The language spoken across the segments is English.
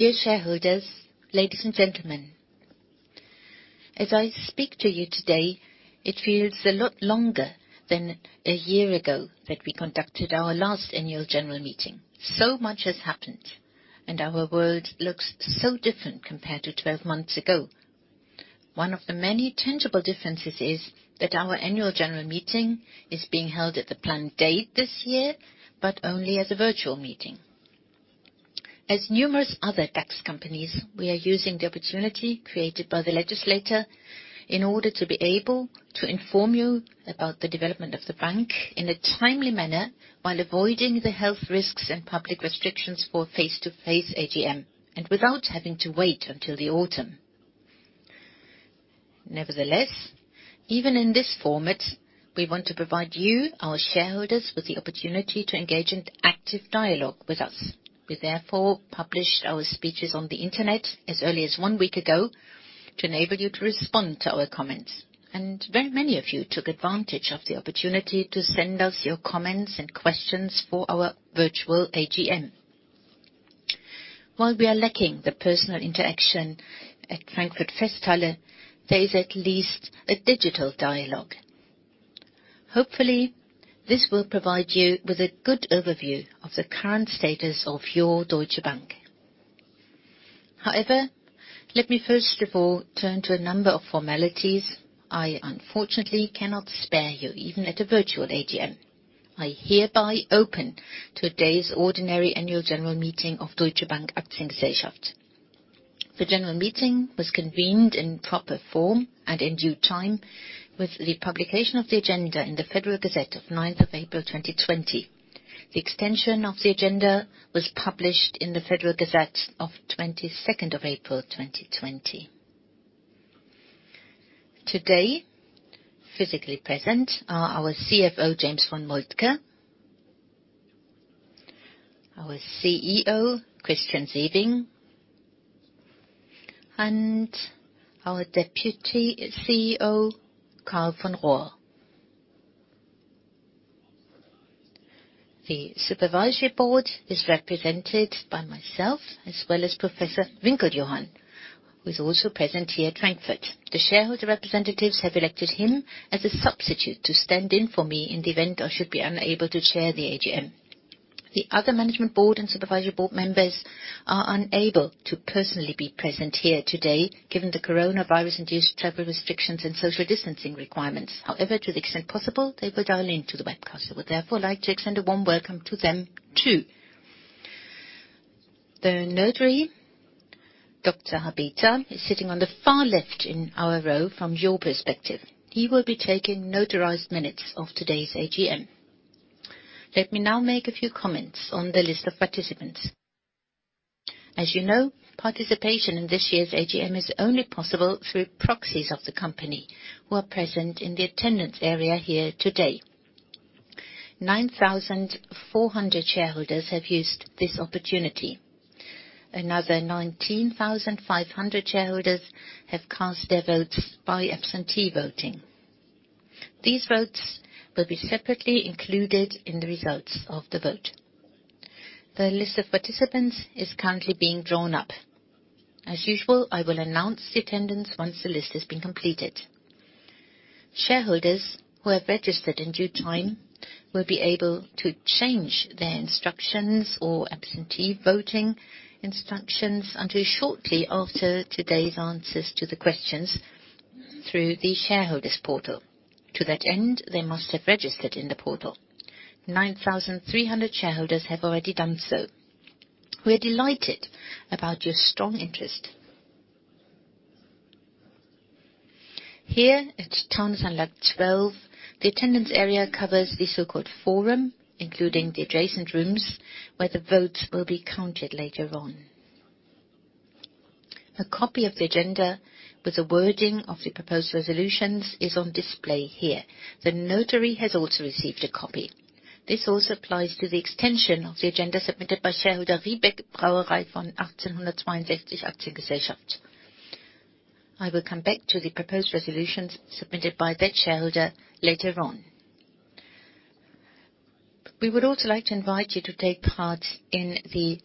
Dear shareholders, ladies and gentlemen. As I speak to you today, it feels a lot longer than a year ago that we conducted our last annual general meeting. So much has happened, and our world looks so different compared to 12 months ago. One of the many tangible differences is that our annual general meeting is being held at the planned date this year, but only as a virtual meeting. As numerous other DAX companies, we are using the opportunity created by the legislator in order to be able to inform you about the development of the bank in a timely manner, while avoiding the health risks and public restrictions for face-to-face AGM, and without having to wait until the autumn. Nevertheless, even in this format, we want to provide you, our shareholders, with the opportunity to engage in active dialogue with us. We therefore published our speeches on the internet as early as one week ago to enable you to respond to our comments. Very many of you took advantage of the opportunity to send us your comments and questions for our virtual AGM. While we are lacking the personal interaction at Frankfurt Festhalle, there is at least a digital dialogue. Hopefully, this will provide you with a good overview of the current status of your Deutsche Bank. Let me first of all turn to a number of formalities I unfortunately cannot spare you, even at a virtual AGM. I hereby open today's ordinary annual general meeting of Deutsche Bank Aktiengesellschaft. The general meeting was convened in proper form and in due time with the publication of the agenda in the Federal Gazette of 9th of April 2020. The extension of the agenda was published in the Federal Gazette of 22nd of April 2020. Today, physically present are our CFO, James von Moltke, our CEO, Christian Sewing, and our Deputy CEO, Karl von Rohr. The supervisory board is represented by myself as well as Professor Winkeljohann, who is also present here at Frankfurt. The shareholder representatives have elected him as a substitute to stand in for me in the event I should be unable to chair the AGM. The other management board and supervisory board members are unable to personally be present here today, given the coronavirus-induced travel restrictions and social distancing requirements. However, to the extent possible, they will dial into the webcast. I would therefore like to extend a warm welcome to them, too. The notary, Dr. Habita, is sitting on the far left in our row from your perspective. He will be taking notarized minutes of today's AGM. Let me now make a few comments on the list of participants. As you know, participation in this year's AGM is only possible through proxies of the company who are present in the attendance area here today. 9,400 shareholders have used this opportunity. Another 19,500 shareholders have cast their votes by absentee voting. These votes will be separately included in the results of the vote. The list of participants is currently being drawn up. As usual, I will announce the attendance once the list has been completed. Shareholders who have registered in due time will be able to change their instructions or absentee voting instructions until shortly after today's answers to the questions through the shareholders portal. To that end, they must have registered in the portal. 9,300 shareholders have already done so. We are delighted about your strong interest. Here at Taunusanlage 12, the attendance area covers the so-called forum, including the adjacent rooms where the votes will be counted later on. A copy of the agenda with the wording of the proposed resolutions is on display here. The notary has also received a copy. This also applies to the extension of the agenda submitted by shareholder Riebeck-Brauerei von 1862 AG. I will come back to the proposed resolutions submitted by that shareholder later on. We would also like to invite you to take part in the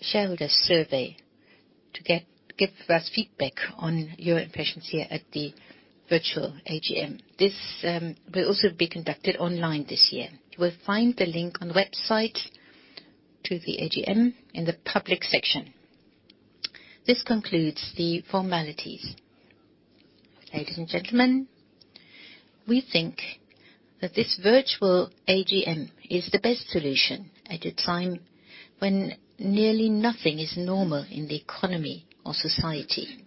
shareholder survey to give us feedback on your impressions here at the virtual AGM. This will also be conducted online this year. You will find the link on the website to the AGM in the public section. This concludes the formalities. Ladies and gentlemen, we think that this virtual AGM is the best solution at a time when nearly nothing is normal in the economy or society.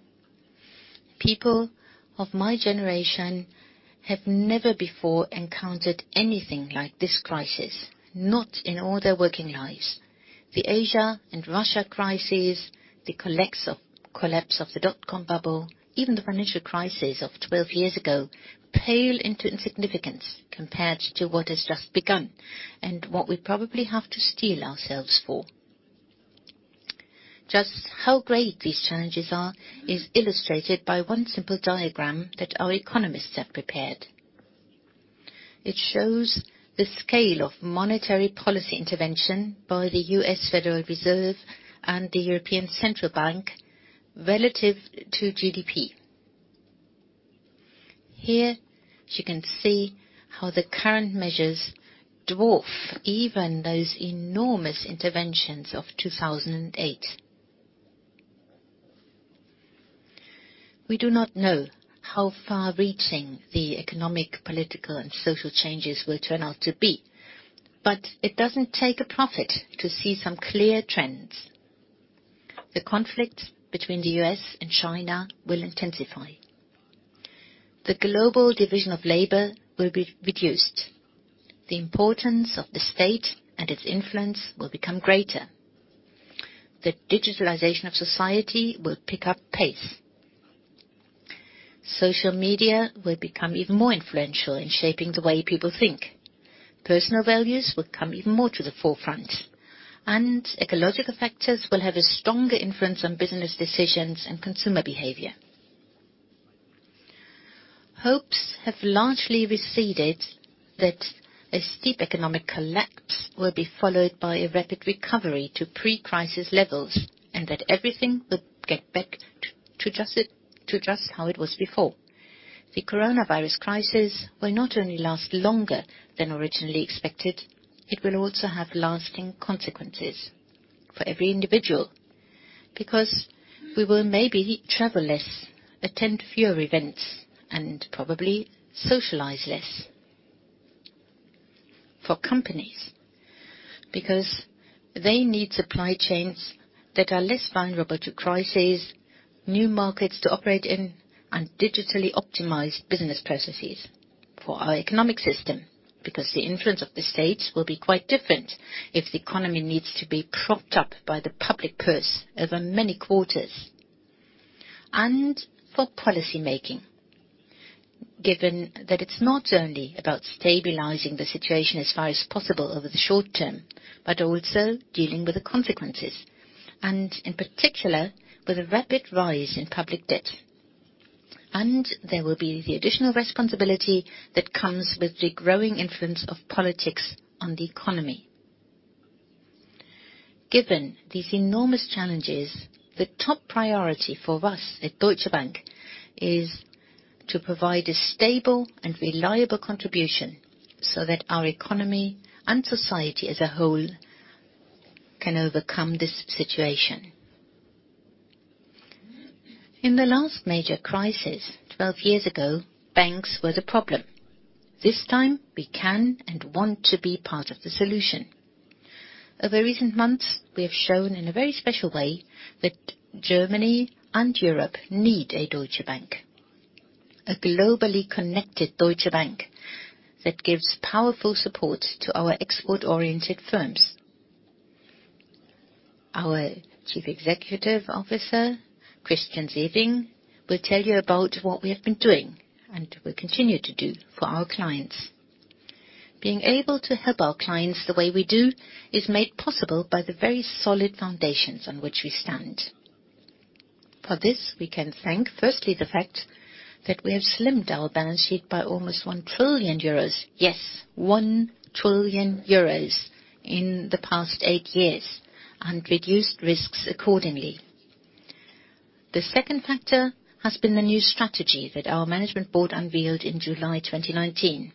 People of my generation have never before encountered anything like this crisis, not in all their working lives. The Asia and Russia crises, the collapse of the dot-com bubble, even the financial crisis of 12 years ago pale into insignificance compared to what has just begun and what we probably have to steel ourselves for. Just how great these challenges are is illustrated by one simple diagram that our economists have prepared. It shows the scale of monetary policy intervention by the US Federal Reserve and the European Central Bank relative to GDP. Here you can see how the current measures dwarf even those enormous interventions of 2008. We do not know how far-reaching the economic, political, and social changes will turn out to be. It doesn't take a prophet to see some clear trends. The conflict between the U.S. and China will intensify. The global division of labor will be reduced. The importance of the state and its influence will become greater. The digitalization of society will pick up pace. Social media will become even more influential in shaping the way people think. Personal values will come even more to the forefront, and ecological factors will have a stronger influence on business decisions and consumer behavior. Hopes have largely receded that a steep economic collapse will be followed by a rapid recovery to pre-crisis levels, and that everything will get back to just how it was before. The coronavirus crisis will not only last longer than originally expected, it will also have lasting consequences for every individual. We will maybe travel less, attend fewer events, and probably socialize less. For companies, because they need supply chains that are less vulnerable to crises, new markets to operate in, and digitally optimized business processes. For our economic system, because the influence of the states will be quite different if the economy needs to be propped up by the public purse over many quarters. For policymaking, given that it's not only about stabilizing the situation as far as possible over the short term, but also dealing with the consequences, and in particular, with a rapid rise in public debt. There will be the additional responsibility that comes with the growing influence of politics on the economy. Given these enormous challenges, the top priority for us at Deutsche Bank is to provide a stable and reliable contribution so that our economy and society as a whole can overcome this situation. In the last major crisis 12 years ago, banks were the problem. This time, we can and want to be part of the solution. Over recent months, we have shown in a very special way that Germany and Europe need a Deutsche Bank. A globally connected Deutsche Bank that gives powerful support to our export-oriented firms. Our Chief Executive Officer, Christian Sewing, will tell you about what we have been doing and will continue to do for our clients. Being able to help our clients the way we do is made possible by the very solid foundations on which we stand. For this, we can thank firstly the fact that we have slimmed our balance sheet by almost 1 trillion euros. Yes, 1 trillion euros in the past eight years, and reduced risks accordingly. The second factor has been the new strategy that our management board unveiled in July 2019.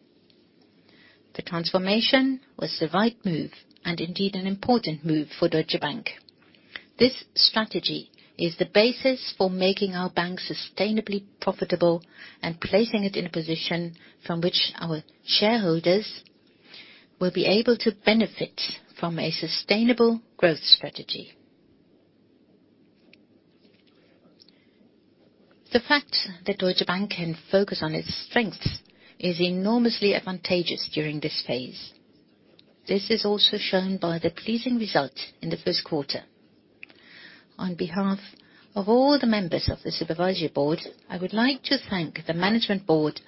The transformation was the right move and indeed an important move for Deutsche Bank. This strategy is the basis for making our bank sustainably profitable and placing it in a position from which our shareholders will be able to benefit from a sustainable growth strategy. The fact that Deutsche Bank can focus on its strengths is enormously advantageous during this phase. This is also shown by the pleasing result in the first quarter. On behalf of all the members of the Supervisory Board, I would like to thank the Management Board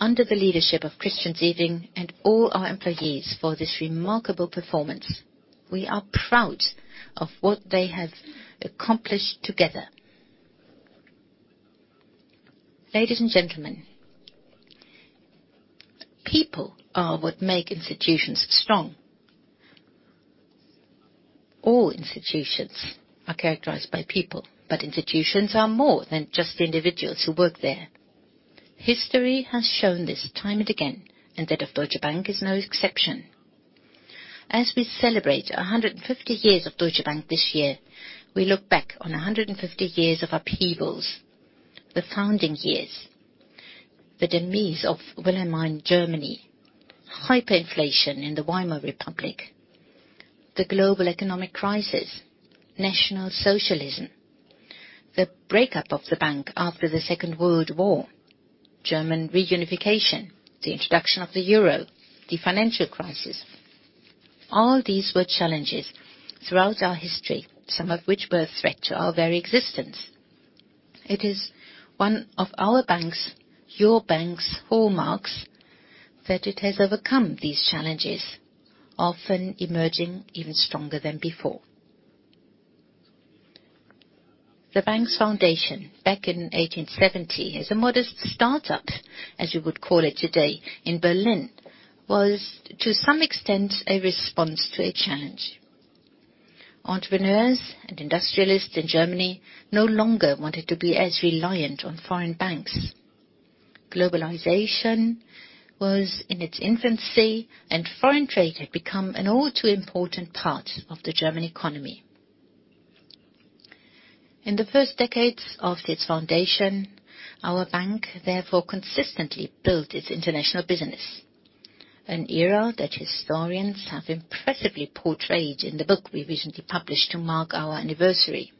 under the leadership of Christian Sewing and all our employees for this remarkable performance. We are proud of what they have accomplished together. Ladies and gentlemen, people are what make institutions strong. All institutions are characterized by people, but institutions are more than just the individuals who work there. History has shown this time and again. That of Deutsche Bank is no exception. As we celebrate 150 years of Deutsche Bank this year, we look back on 150 years of upheavals. The founding years, the demise of Wilhelmine Germany, hyperinflation in the Weimar Republic, the global economic crisis, National Socialism, the breakup of the bank after the Second World War, German Reunification, the introduction of the euro, the financial crisis. All these were challenges throughout our history, some of which were a threat to our very existence. It is one of our bank's, your bank's hallmarks that it has overcome these challenges, often emerging even stronger than before. The bank's foundation back in 1870 as a modest startup, as you would call it today in Berlin, was to some extent a response to a challenge. Entrepreneurs and industrialists in Germany no longer wanted to be as reliant on foreign banks. Globalization was in its infancy, and foreign trade had become an all too important part of the German economy. In the first decades of its foundation, our bank, therefore, consistently built its international business, an era that historians have impressively portrayed in the book we recently published to mark our anniversary.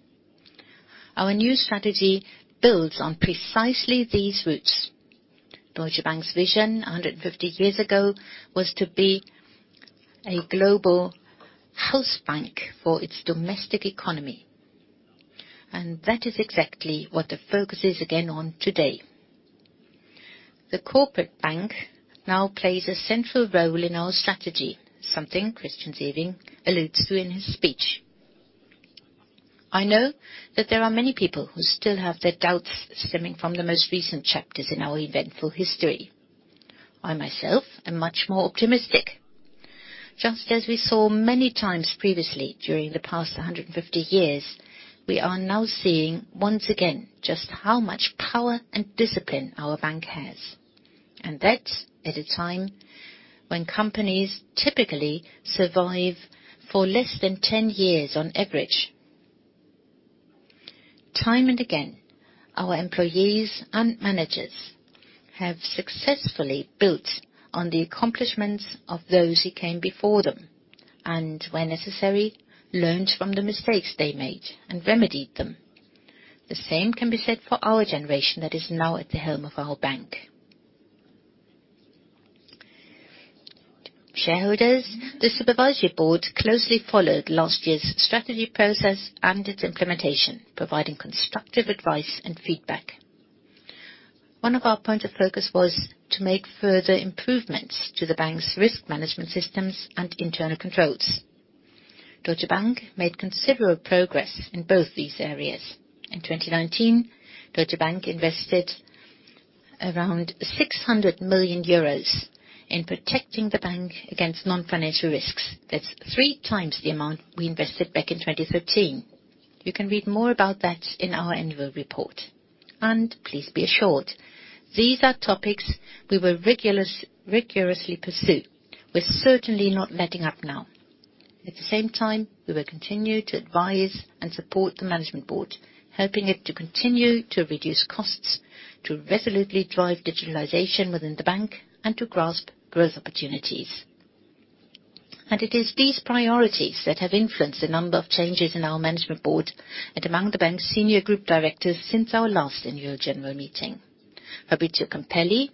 Our new strategy builds on precisely these roots. Deutsche Bank's vision 150 years ago was to be a global house bank for its domestic economy, and that is exactly what the focus is again on today. The Corporate Bank now plays a central role in our strategy, something Christian Sewing alludes to in his speech. I know that there are many people who still have their doubts stemming from the most recent chapters in our eventful history. I, myself, am much more optimistic. Just as we saw many times previously during the past 150 years, we are now seeing, once again, just how much power and discipline our bank has, and that at a time when companies typically survive for less than 10 years on average. Time and again, our employees and managers have successfully built on the accomplishments of those who came before them and, where necessary, learned from the mistakes they made and remedied them. The same can be said for our generation that is now at the helm of our bank. Shareholders, the Supervisory Board closely followed last year's strategy process and its implementation, providing constructive advice and feedback. One of our points of focus was to make further improvements to the bank's risk management systems and internal controls. Deutsche Bank made considerable progress in both these areas. In 2019, Deutsche Bank invested around 600 million euros in protecting the bank against non-financial risks. That's three times the amount we invested back in 2013. You can read more about that in our annual report. Please be assured these are topics we will rigorously pursue. We're certainly not letting up now. At the same time, we will continue to advise and support the Management Board, helping it to continue to reduce costs, to resolutely drive digitalization within the bank, and to grasp growth opportunities. It is these priorities that have influenced the number of changes in our Management Board and among the bank's Senior Group Directors since our last Annual General Meeting. Fabrizio Campelli,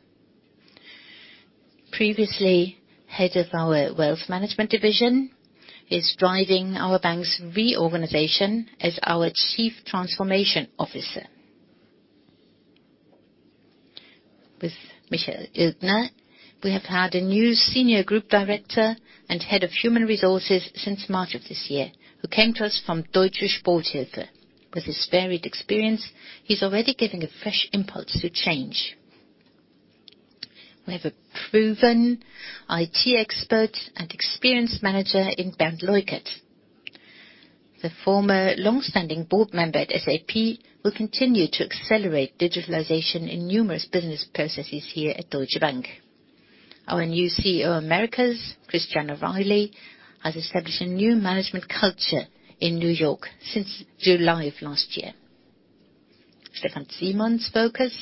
previously head of our Wealth Management division, is driving our bank's reorganization as our Chief Transformation Officer. With Michael Ilgner, we have had a new Senior Group Director and head of human resources since March of this year who came to us from Deutsche Sporthilfe. With his varied experience, he's already giving a fresh impulse to change. We have a proven IT expert and experienced manager in Bernd Leukert. The former longstanding board member at SAP will continue to accelerate digitalization in numerous business processes here at Deutsche Bank. Our new CEO Americas, Christiana Riley, has established a new management culture in New York since July of last year. Stefan Simon's focus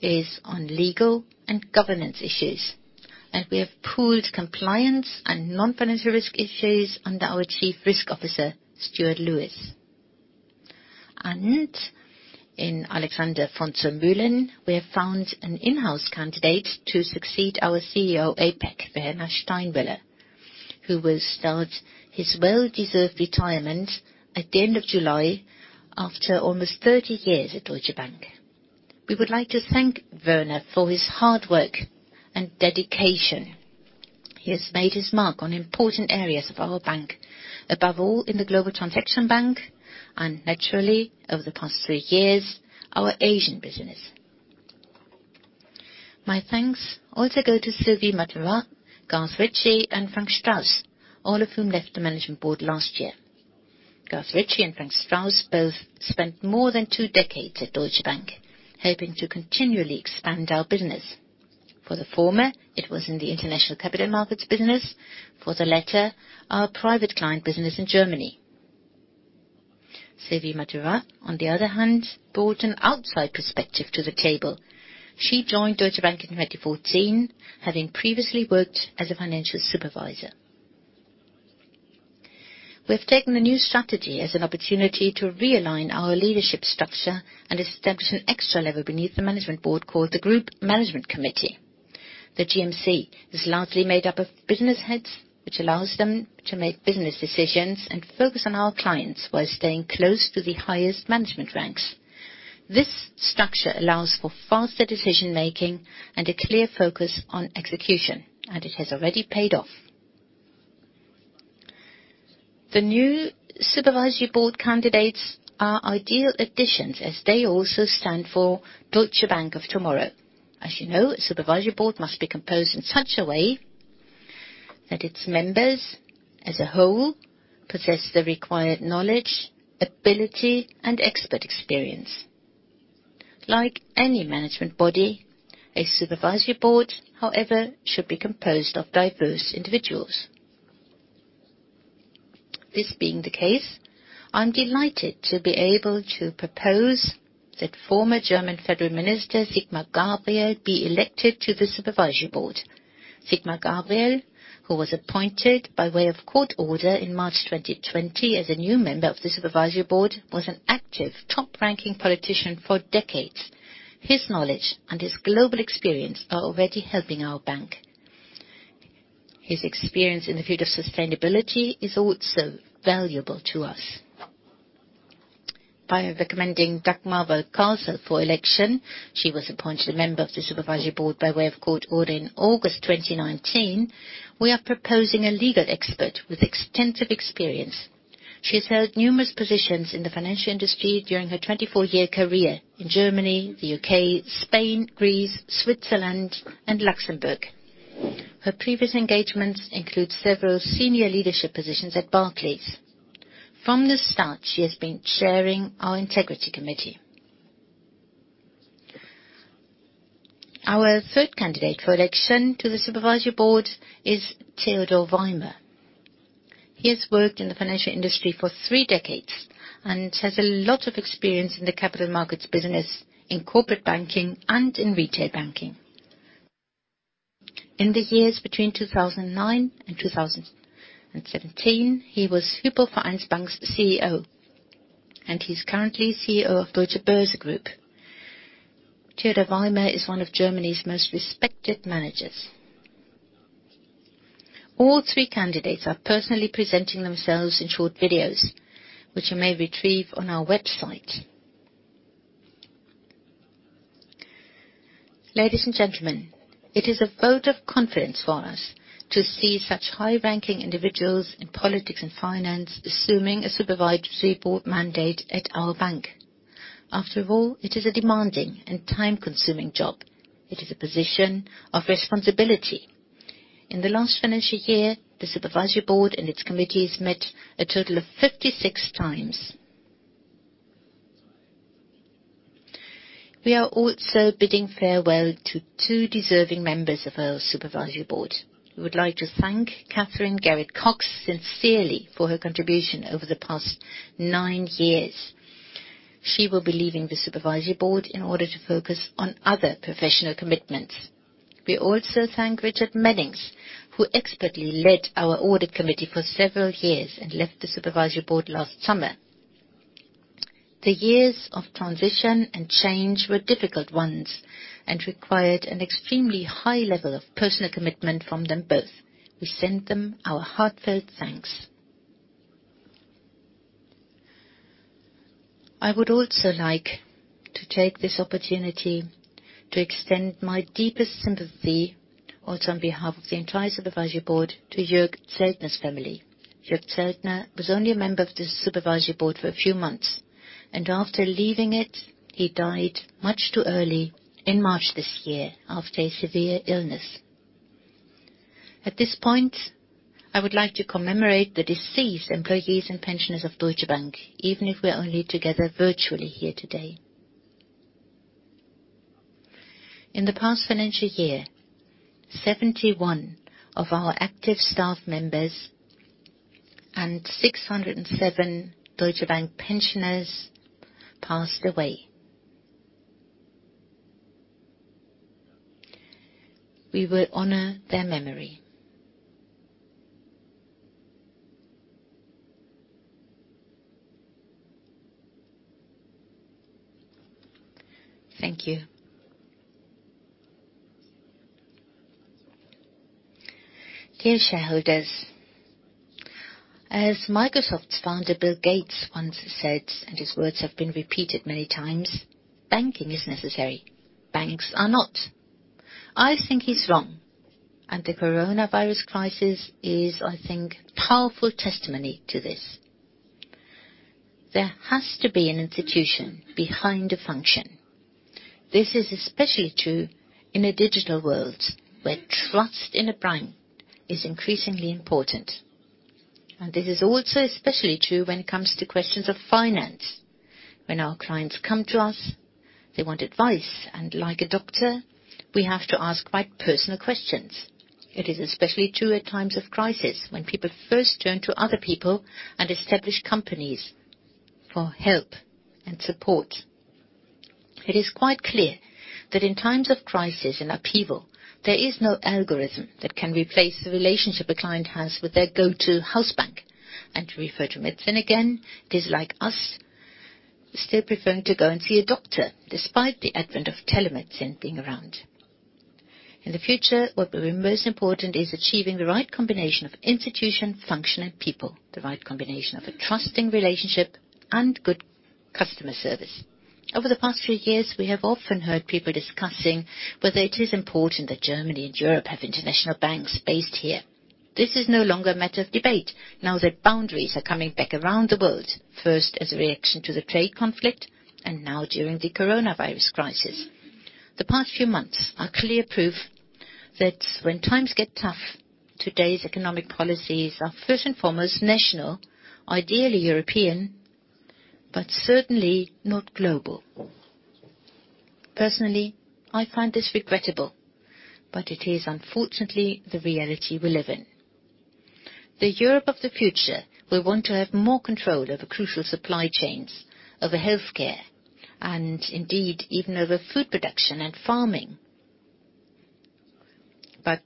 is on legal and governance issues, and we have pooled compliance and non-financial risk issues under our Chief Risk Officer, Stuart Lewis. In Alexander von zur Mühlen, we have found an in-house candidate to succeed our CEO APAC, Werner Steinmüller, who will start his well-deserved retirement at the end of July after almost 30 years at Deutsche Bank. We would like to thank Werner for his hard work and dedication. He has made his mark on important areas of our bank, above all in the global transaction bank and naturally, over the past three years, our Asian business. My thanks also go to Sylvie Matherat, Garth Ritchie, and Frank Strauss, all of whom left the management board last year. Garth Ritchie and Frank Strauss both spent more than two decades at Deutsche Bank, helping to continually expand our business. For the former, it was in the international capital markets business. For the latter, our private client business in Germany. Sylvie Matherat, on the other hand, brought an outside perspective to the table. She joined Deutsche Bank in 2014, having previously worked as a financial supervisor. We have taken the new strategy as an opportunity to realign our leadership structure and establish an extra level beneath the management board called the Group Management Committee. The GMC is largely made up of business heads, which allows them to make business decisions and focus on our clients while staying close to the highest management ranks. This structure allows for faster decision-making and a clear focus on execution, and it has already paid off. The new Supervisory Board candidates are ideal additions as they also stand for Deutsche Bank of tomorrow. As you know, a Supervisory Board must be composed in such a way that its members as a whole possess the required knowledge, ability, and expert experience. Like any management body, a Supervisory Board, however, should be composed of diverse individuals. This being the case, I'm delighted to be able to propose that former German Federal Minister Sigmar Gabriel be elected to the Supervisory Board. Sigmar Gabriel, who was appointed by way of court order in March 2020 as a new member of the Supervisory Board, was an active top-ranking politician for decades. His knowledge and his global experience are already helping our bank. His experience in the field of sustainability is also valuable to us. By recommending Dagmar Valcárcel for election, she was appointed a member of the Supervisory Board by way of court order in August 2019, we are proposing a legal expert with extensive experience. She has held numerous positions in the financial industry during her 24-year career in Germany, the U.K., Spain, Greece, Switzerland, and Luxembourg. Her previous engagements include several senior leadership positions at Barclays. From the start, she has been chairing our Integrity Committee. Our third candidate for election to the Supervisory Board is Theodor Weimer. He has worked in the financial industry for three decades and has a lot of experience in the capital markets business, in corporate banking, and in retail banking. In the years between 2009 and 2017, he was HypoVereinsbank's CEO, and he's currently CEO of Deutsche Börse Group. Theodor Weimer is one of Germany's most respected managers. All three candidates are personally presenting themselves in short videos, which you may retrieve on our website. Ladies and gentlemen, it is a vote of confidence for us to see such high-ranking individuals in politics and finance assuming a Supervisory Board mandate at our bank. After all, it is a demanding and time-consuming job. It is a position of responsibility. In the last financial year, the Supervisory Board and its committees met a total of 56 times. We are also bidding farewell to two deserving members of our Supervisory Board. We would like to thank Katherine Garrett-Cox sincerely for her contribution over the past nine years. She will be leaving the Supervisory Board in order to focus on other professional commitments. We also thank Richard Meddings, who expertly led our Audit Committee for several years and left the Supervisory Board last summer. The years of transition and change were difficult ones and required an extremely high level of personal commitment from them both. We send them our heartfelt thanks. I would also like to take this opportunity to extend my deepest sympathy also on behalf of the entire Supervisory Board to Jürg Zeltner's family. Jürg Zeltner was only a member of the Supervisory Board for a few months, and after leaving it, he died much too early in March this year, after a severe illness. At this point, I would like to commemorate the deceased employees and pensioners of Deutsche Bank, even if we are only together virtually here today. In the past financial year, 71 of our active staff members and 607 Deutsche Bank pensioners passed away. We will honor their memory. Thank you. Dear shareholders, as Microsoft founder Bill Gates once said, and his words have been repeated many times, "Banking is necessary. Banks are not." I think he's wrong, and the coronavirus crisis is, I think, powerful testimony to this. There has to be an institution behind a function. This is especially true in a digital world, where trust in a brand is increasingly important. This is also especially true when it comes to questions of finance. When our clients come to us, they want advice, and like a doctor, we have to ask quite personal questions. It is especially true at times of crisis, when people first turn to other people and establish companies for help and support. It is quite clear that in times of crisis and upheaval, there is no algorithm that can replace the relationship a client has with their go-to house bank. To refer to medicine again, it is like us still preferring to go and see a doctor despite the advent of telemedicine being around. In the future, what will be most important is achieving the right combination of institution, function, and people, the right combination of a trusting relationship and good products, customer service. Over the past few years, we have often heard people discussing whether it is important that Germany and Europe have international banks based here. This is no longer a matter of debate now that boundaries are coming back around the world. First, as a reaction to the trade conflict, and now during the coronavirus crisis. The past few months are clear proof that when times get tough, today's economic policies are first and foremost national, ideally European, but certainly not global. Personally, I find this regrettable, but it is unfortunately the reality we live in. The Europe of the future will want to have more control over crucial supply chains, over healthcare, and indeed, even over food production and farming. That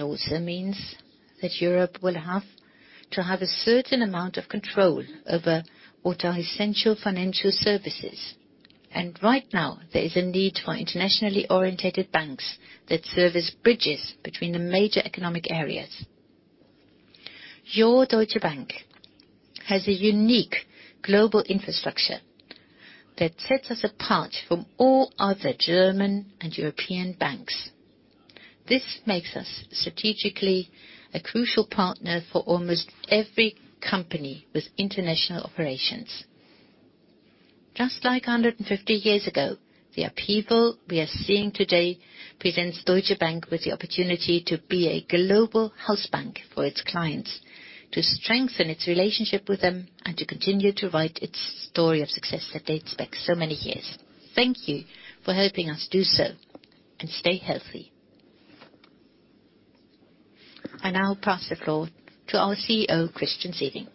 also means that Europe will have to have a certain amount of control over what are essential financial services. Right now, there is a need for internationally orientated banks that serve as bridges between the major economic areas. Your Deutsche Bank has a unique global infrastructure that sets us apart from all other German and European banks. This makes us strategically a crucial partner for almost every company with international operations. Just like 150 years ago, the upheaval we are seeing today presents Deutsche Bank with the opportunity to be a global house bank for its clients, to strengthen its relationship with them, and to continue to write its story of success that dates back so many years. Thank you for helping us do so, and stay healthy. I now pass the floor to our CEO, Christian Sewing.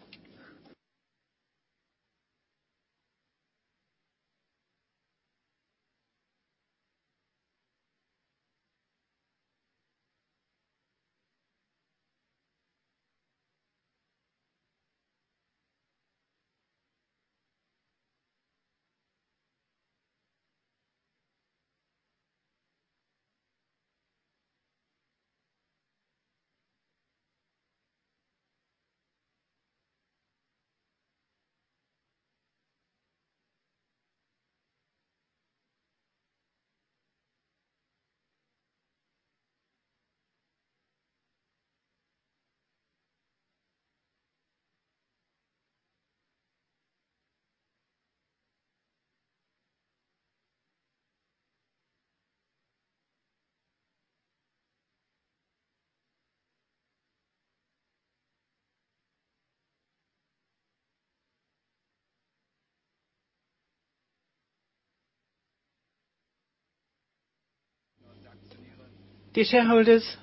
Dear shareholders,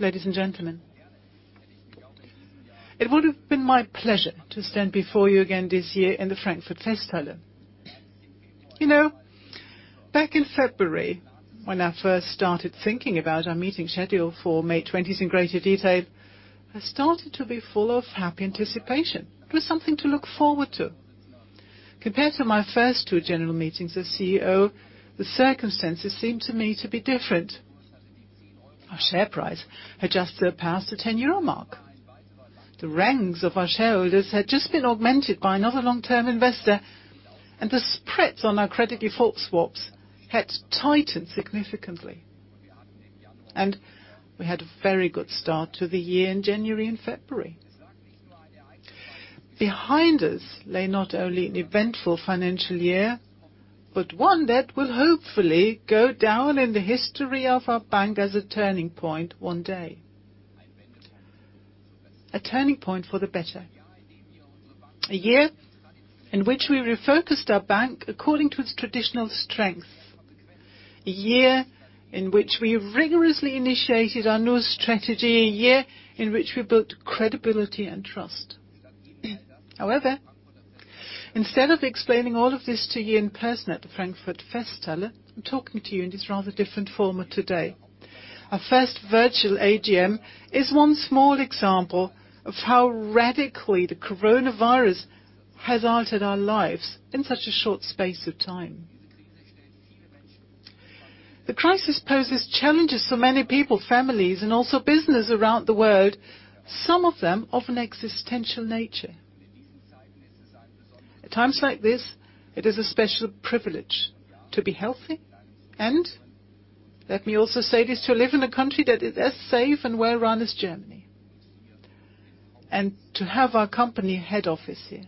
ladies and gentlemen. It would have been my pleasure to stand before you again this year in the Frankfurt Festhalle. Back in February, when I first started thinking about our meeting schedule for May 20th in greater detail, I started to be full of happy anticipation. It was something to look forward to. Compared to my first two general meetings as CEO, the circumstances seemed to me to be different. Our share price had just surpassed the 10 euro mark. The ranks of our shareholders had just been augmented by another long-term investor, and the spreads on our credit default swaps had tightened significantly. We had a very good start to the year in January and February. Behind us lay not only an eventful financial year, but one that will hopefully go down in the history of our bank as a turning point one day. A turning point for the better. A year in which we refocused our bank according to its traditional strength. A year in which we rigorously initiated our new strategy. A year in which we built credibility and trust. Instead of explaining all of this to you in person at the Frankfurt Festhalle, I'm talking to you in this rather different format today. Our first virtual AGM is one small example of how radically the coronavirus has altered our lives in such a short space of time. The crisis poses challenges for many people, families, and also businesses around the world, some of them of an existential nature. At times like this, it is a special privilege to be healthy, and let me also say this, to live in a country that is as safe and well-run as Germany, and to have our company head office here.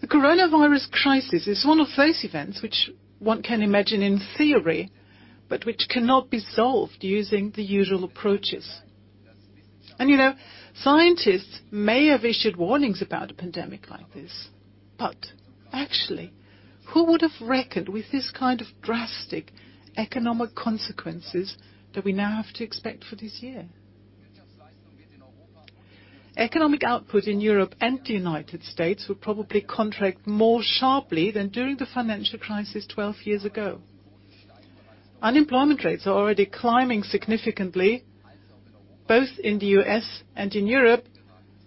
The coronavirus crisis is one of those events which one can imagine in theory, but which cannot be solved using the usual approaches. Scientists may have issued warnings about a pandemic like this, actually, who would have reckoned with this kind of drastic economic consequences that we now have to expect for this year? Economic output in Europe and the U.S. will probably contract more sharply than during the financial crisis 12 years ago. Unemployment rates are already climbing significantly, both in the U.S. and in Europe,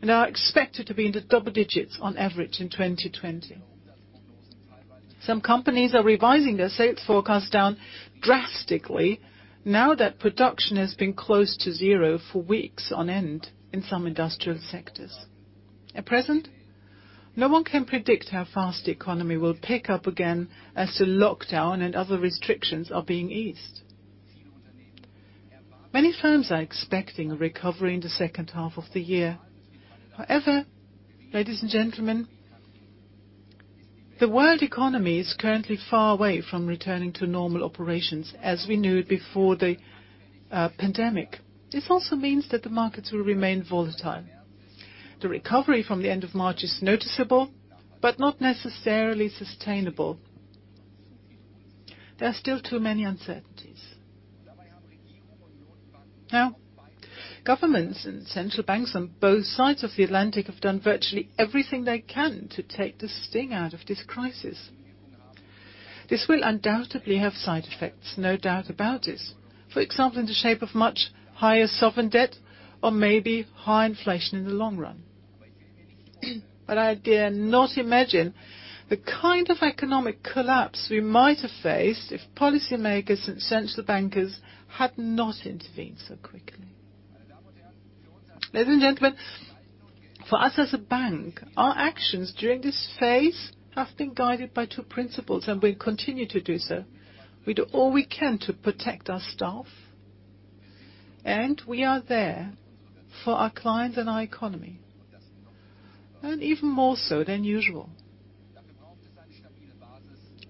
and are expected to be in the double digits on average in 2020. Some companies are revising their sales forecast down drastically now that production has been close to zero for weeks on end in some industrial sectors. At present, no one can predict how fast the economy will pick up again as the lockdown and other restrictions are being eased. Many firms are expecting a recovery in the second half of the year. Ladies and gentlemen, the world economy is currently far away from returning to normal operations as we knew it before the pandemic. This also means that the markets will remain volatile. The recovery from the end of March is noticeable, but not necessarily sustainable. There are still too many uncertainties. Governments and central banks on both sides of the Atlantic have done virtually everything they can to take the sting out of this crisis. This will undoubtedly have side effects, no doubt about it. For example, in the shape of much higher sovereign debt or maybe high inflation in the long run. I dare not imagine the kind of economic collapse we might have faced if policymakers and central bankers had not intervened so quickly. Ladies and gentlemen, for us as a bank, our actions during this phase have been guided by two principles, and we continue to do so. We do all we can to protect our staff, and we are there for our clients and our economy. Even more so than usual.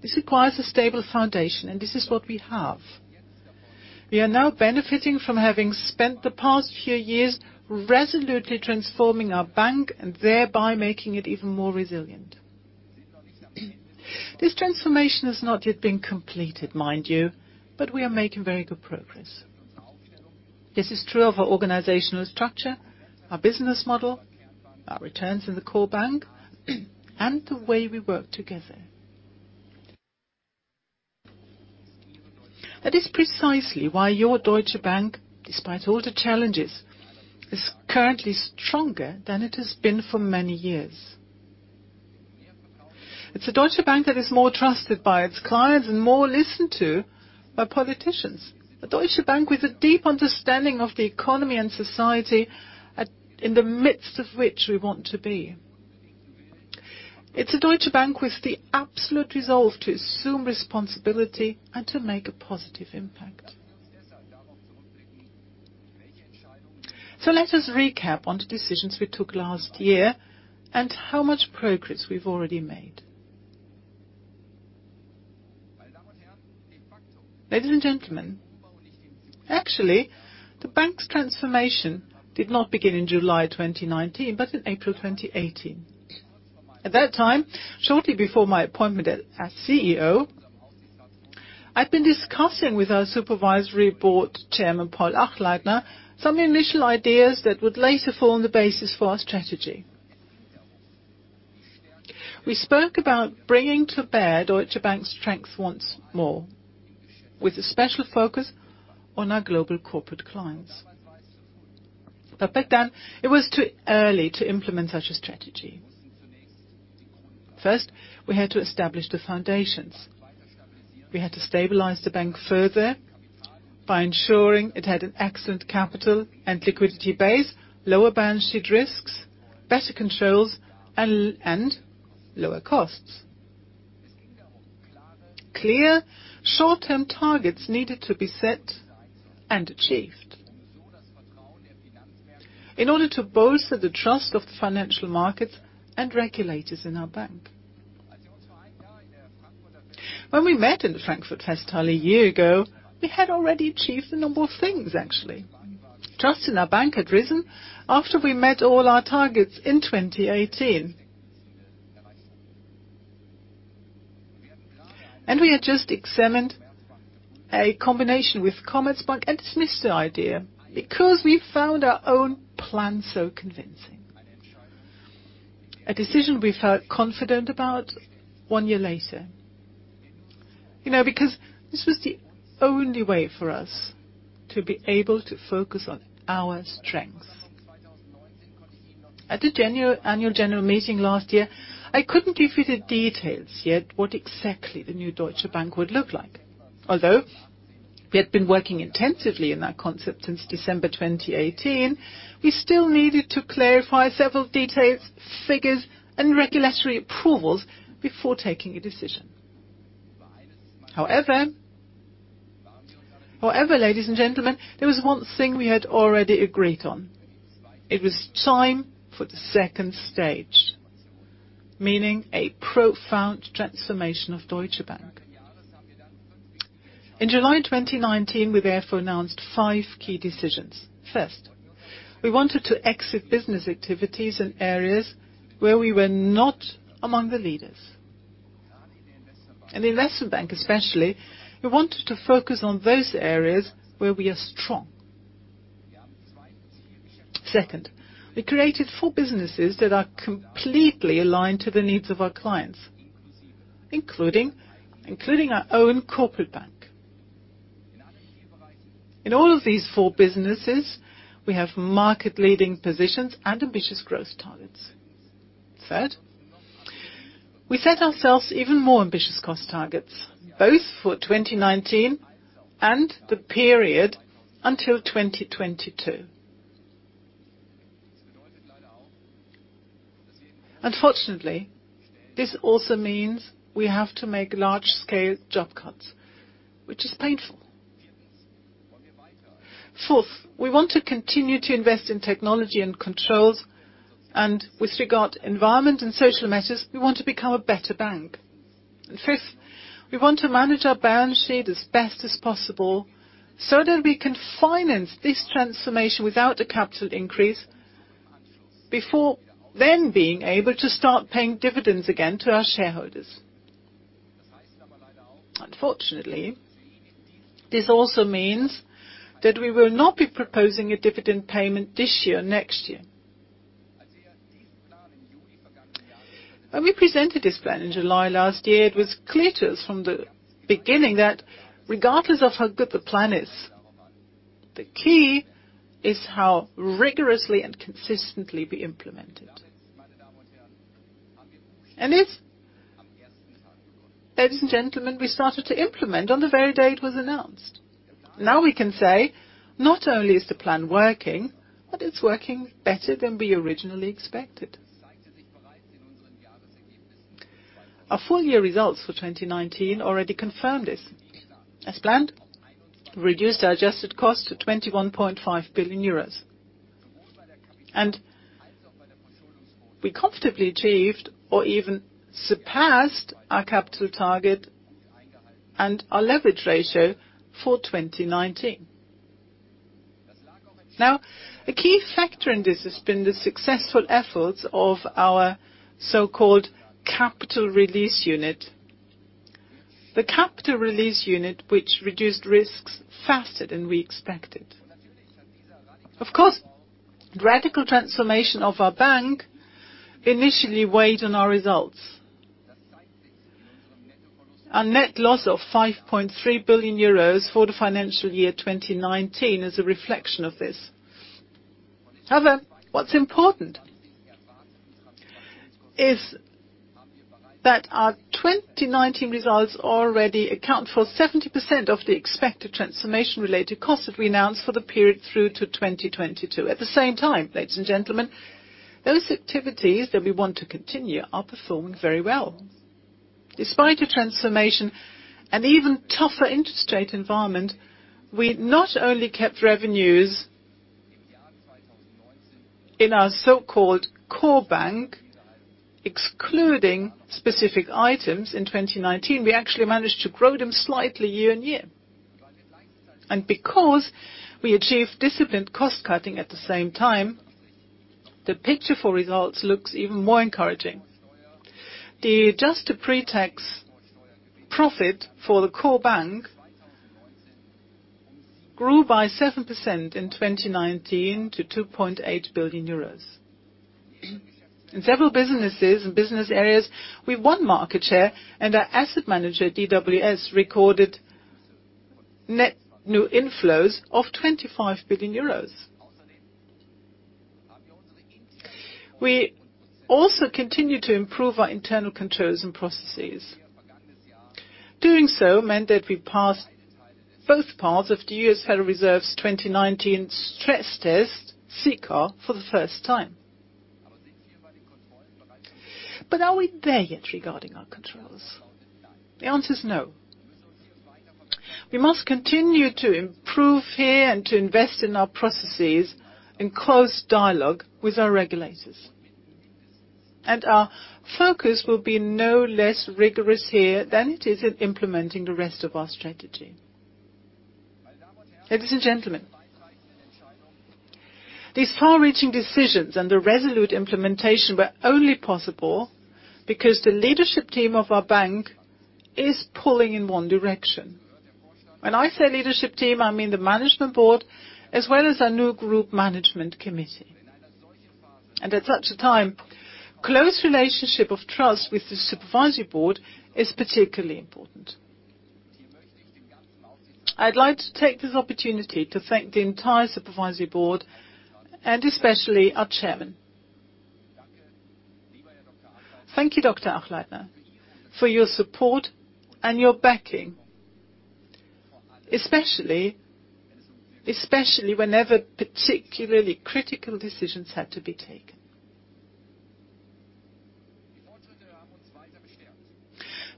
This requires a stable foundation, and this is what we have. We are now benefiting from having spent the past few years resolutely transforming our bank and thereby making it even more resilient. This transformation has not yet been completed, mind you, but we are making very good progress. This is true of our organizational structure, our business model, our returns in the Core Bank, and the way we work together. That is precisely why your Deutsche Bank, despite all the challenges, is currently stronger than it has been for many years. It's a Deutsche Bank that is more trusted by its clients and more listened to by politicians. A Deutsche Bank with a deep understanding of the economy and society in the midst of which we want to be. It's a Deutsche Bank with the absolute resolve to assume responsibility and to make a positive impact. Let us recap on the decisions we took last year and how much progress we've already made. Ladies and gentlemen, actually, the bank's transformation did not begin in July 2019, but in April 2018. At that time, shortly before my appointment as CEO, I'd been discussing with our Supervisory Board Chairman Paul Achleitner some initial ideas that would later form the basis for our strategy. We spoke about bringing to bear Deutsche Bank's strength once more, with a special focus on our global corporate clients. Back then, it was too early to implement such a strategy. First, we had to establish the foundations. We had to stabilize the bank further by ensuring it had an excellent capital and liquidity base, lower balance sheet risks, better controls, and lower costs. Clear short-term targets needed to be set and achieved in order to bolster the trust of the financial markets and regulators in our bank. When we met in the Frankfurt Festhalle a year ago, we had already achieved a number of things, actually. Trust in our bank had risen after we met all our targets in 2018. We had just examined a combination with Commerzbank and dismissed the idea because we found our own plan so convincing. A decision we felt confident about one year later. This was the only way for us to be able to focus on our strengths. At the Annual General Meeting last year, I couldn't give you the details yet what exactly the new Deutsche Bank would look like. Although we had been working intensively in that concept since December 2018, we still needed to clarify several details, figures, and regulatory approvals before taking a decision. However, ladies and gentlemen, there was one thing we had already agreed on. It was time for the stage 2, meaning a profound transformation of Deutsche Bank. In July 2019, we therefore announced five key decisions. First, we wanted to exit business activities in areas where we were not among the leaders. In Investment Bank especially, we wanted to focus on those areas where we are strong. Second, we created four businesses that are completely aligned to the needs of our clients, including our own Corporate Bank. In all of these four businesses, we have market-leading positions and ambitious growth targets. Third, we set ourselves even more ambitious cost targets, both for 2019 and the period until 2022. Unfortunately, this also means we have to make large-scale job cuts, which is painful. Fourth, we want to continue to invest in technology and controls, and with regard to environment and social matters, we want to become a better bank. Fifth, we want to manage our balance sheet as best as possible, so that we can finance this transformation without a capital increase before then being able to start paying dividends again to our shareholders. Unfortunately, this also means that we will not be proposing a dividend payment this year or next year. When we presented this plan in July last year, it was clear to us from the beginning that regardless of how good the plan is, the key is how rigorously and consistently we implement it. Ladies and gentlemen, we started to implement on the very day it was announced. We can say not only is the plan working, but it's working better than we originally expected. Our full-year results for 2019 already confirmed this. As planned, we reduced our adjusted cost to 21.5 billion euros. We comfortably achieved or even surpassed our capital target and our leverage ratio for 2019. A key factor in this has been the successful efforts of our so-called Capital Release Unit. The Capital Release Unit, which reduced risks faster than we expected. Of course, radical transformation of our bank initially weighed on our results. Our net loss of 5.3 billion euros for the financial year 2019 is a reflection of this. What's important is that our 2019 results already account for 70% of the expected transformation-related costs that we announced for the period through to 2022. At the same time, ladies and gentlemen, those activities that we want to continue are performing very well. Despite the transformation and even tougher interest rate environment, we not only kept revenues in our so-called Core Bank, excluding specific items in 2019, we actually managed to grow them slightly year-on-year. Because we achieved disciplined cost-cutting at the same time, the picture for results looks even more encouraging. The adjusted pre-tax profit for the Core Bank grew by 7% in 2019 to 2.8 billion euros. In several businesses and business areas, we won market share and our asset manager, DWS, recorded net new inflows of 25 billion euros. We also continue to improve our internal controls and processes. Doing so meant that we passed both parts of the U.S. Federal Reserve's 2019 stress test, CCAR, for the first time. Are we there yet regarding our controls? The answer is no. We must continue to improve here and to invest in our processes in close dialogue with our regulators. Our focus will be no less rigorous here than it is in implementing the rest of our strategy. Ladies and gentlemen, these far-reaching decisions and the resolute implementation were only possible because the leadership team of our bank is pulling in one direction. When I say leadership team, I mean the Management Board, as well as our new Group Management Committee. At such a time, close relationship of trust with the Supervisory Board is particularly important. I'd like to take this opportunity to thank the entire Supervisory Board and especially our Chairman. Thank you, Dr. Achleitner, for your support and your backing, especially, whenever particularly critical decisions had to be taken.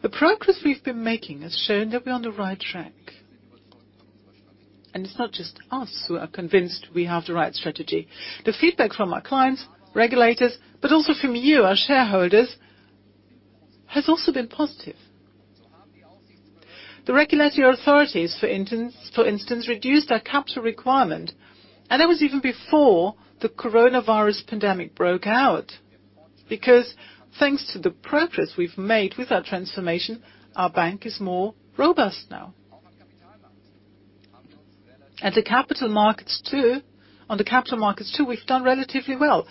The progress we've been making has shown that we're on the right track. It's not just us who are convinced we have the right strategy. The feedback from our clients, regulators, but also from you, our shareholders, has also been positive. The regulatory authorities, for instance, reduced our capital requirement, and that was even before the coronavirus pandemic broke out. Thanks to the progress we've made with our transformation, our bank is more robust now. On the capital markets, too, we've done relatively well.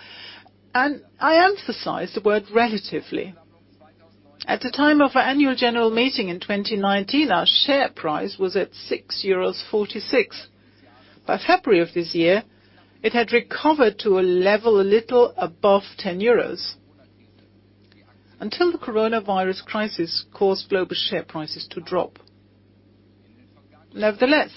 I emphasize the word relatively. At the time of our Annual General Meeting in 2019, our share price was at 6.46 euros. By February of this year, it had recovered to a level a little above 10 euros, until the coronavirus crisis caused global share prices to drop. Nevertheless,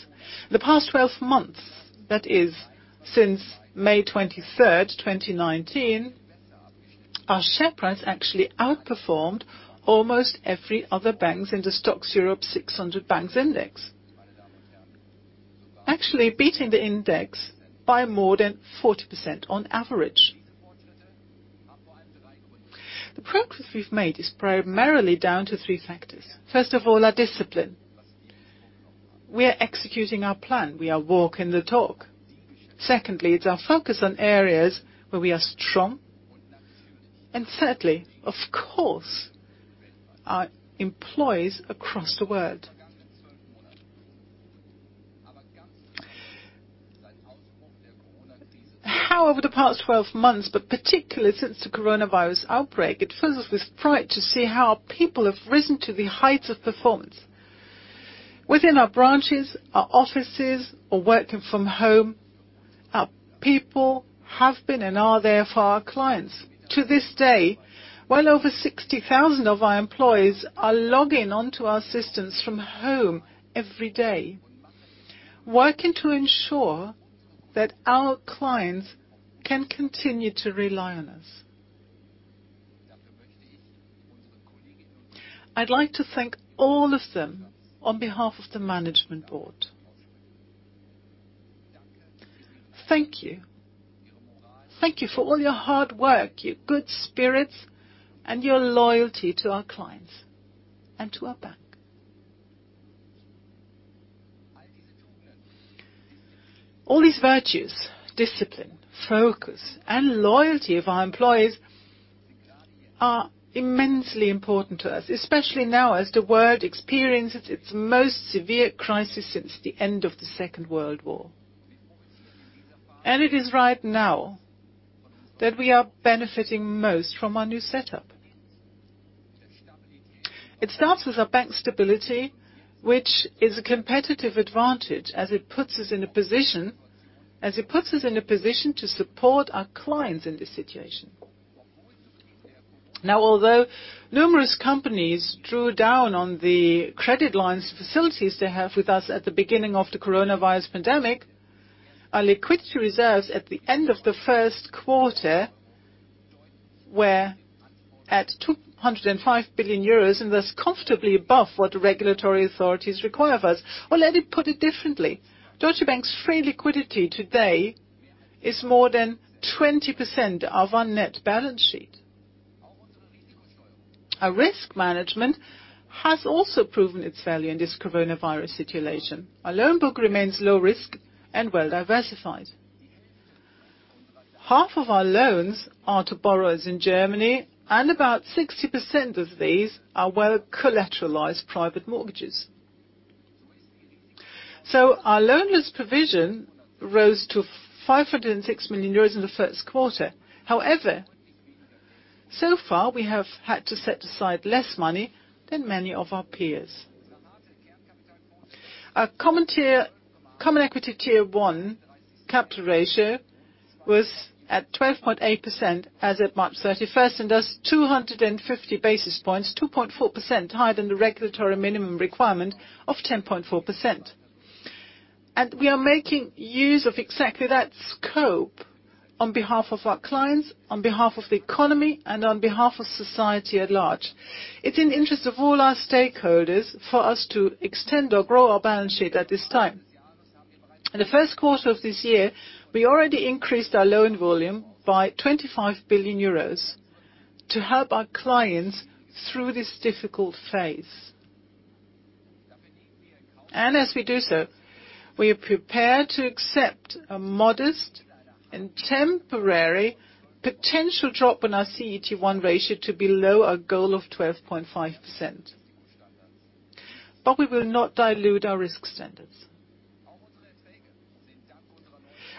the past 12 months, that is, since May 23rd, 2019, our share price actually outperformed almost every other banks in the STOXX Europe 600 Banks Index, actually beating the index by more than 40% on average. The progress we've made is primarily down to three factors. First of all, our discipline. We are executing our plan. We are walking the talk. Secondly, it's our focus on areas where we are strong. Thirdly, of course, our employees across the world. How over the past 12 months, but particularly since the coronavirus outbreak, it fills us with pride to see how our people have risen to the heights of performance. Within our branches, our offices, or working from home, our people have been and are there for our clients. To this day, well over 60,000 of our employees are logging on to our systems from home every day, working to ensure that our clients can continue to rely on us. I'd like to thank all of them on behalf of the management board. Thank you. Thank you for all your hard work, your good spirits, and your loyalty to our clients and to our bank. All these virtues, discipline, focus, and loyalty of our employees are immensely important to us, especially now as the world experiences its most severe crisis since the end of the Second World War. It is right now that we are benefiting most from our new setup. It starts with our bank stability, which is a competitive advantage as it puts us in a position to support our clients in this situation. Although numerous companies drew down on the credit lines facilities they have with us at the beginning of the coronavirus pandemic, our liquidity reserves at the end of the first quarter were at 205 billion euros, that's comfortably above what the regulatory authorities require of us. Let me put it differently. Deutsche Bank's free liquidity today is more than 20% of our net balance sheet. Our risk management has also proven its value in this coronavirus situation. Our loan book remains low risk and well diversified. Half of our loans are to borrowers in Germany, about 60% of these are well collateralized private mortgages. Our loan loss provision rose to 506 million euros in the first quarter. However, so far, we have had to set aside less money than many of our peers. Our Common Equity Tier 1 capital ratio was at 12.8% as of March 31st, that's 250 basis points, 2.4% higher than the regulatory minimum requirement of 10.4%. We are making use of exactly that scope on behalf of our clients, on behalf of the economy, and on behalf of society at large. It's in the interest of all our stakeholders for us to extend or grow our balance sheet at this time. In the first quarter of this year, we already increased our loan volume by 25 billion euros to help our clients through this difficult phase. As we do so, we are prepared to accept a modest and temporary potential drop in our CET1 ratio to below our goal of 12.5%. We will not dilute our risk standards.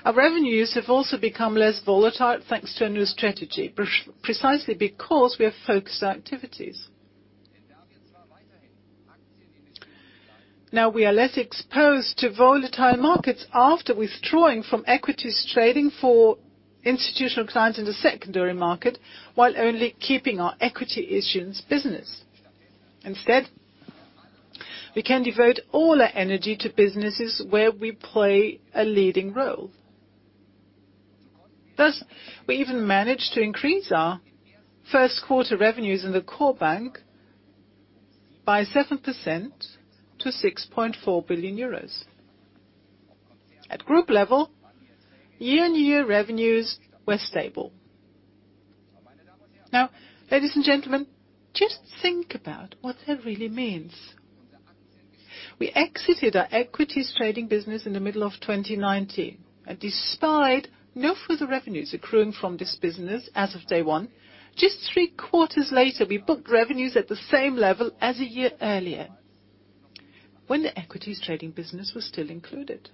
Our revenues have also become less volatile, thanks to our new strategy, precisely because we have focused our activities. We are less exposed to volatile markets after withdrawing from equities trading for institutional clients in the secondary market, while only keeping our equity issuance business. Instead, we can devote all our energy to businesses where we play a leading role. We even managed to increase our first quarter revenues in the Core Bank by 7% to 6.4 billion euros. At group level, year-on-year revenues were stable. Ladies and gentlemen, just think about what that really means. We exited our equities trading business in the middle of 2019. Despite no further revenues accruing from this business as of day one, just three quarters later, we booked revenues at the same level as a year earlier when the equities trading business was still included.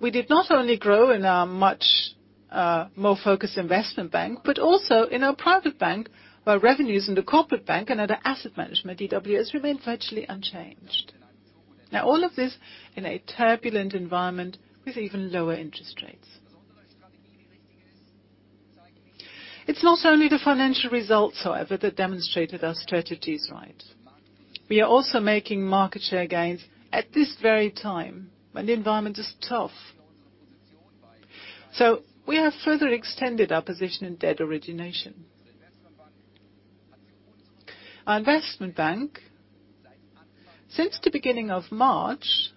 We did not only grow in our much more focused Investment Bank, but also in our Private Bank, where revenues in the Corporate Bank and other asset management DWS remained virtually unchanged. All of this in a turbulent environment with even lower interest rates. It's not only the financial results, however, that demonstrated our strategy is right. We are also making market share gains at this very time when the environment is tough. We have further extended our position in debt origination. Our Investment Bank, since the beginning of March,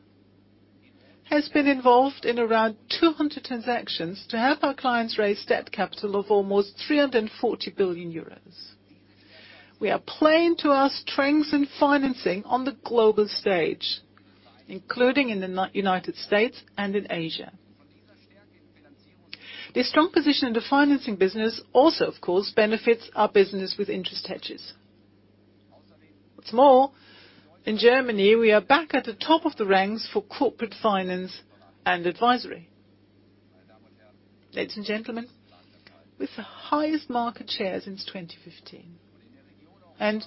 has been involved in around 200 transactions to help our clients raise debt capital of almost 340 billion euros. We are playing to our strengths in financing on the global stage, including in the U.S. and in Asia. This strong position in the financing business also, of course, benefits our business with interest hedges. In Germany, we are back at the top of the ranks for corporate finance and advisory, ladies and gentlemen, with the highest market share since 2015. In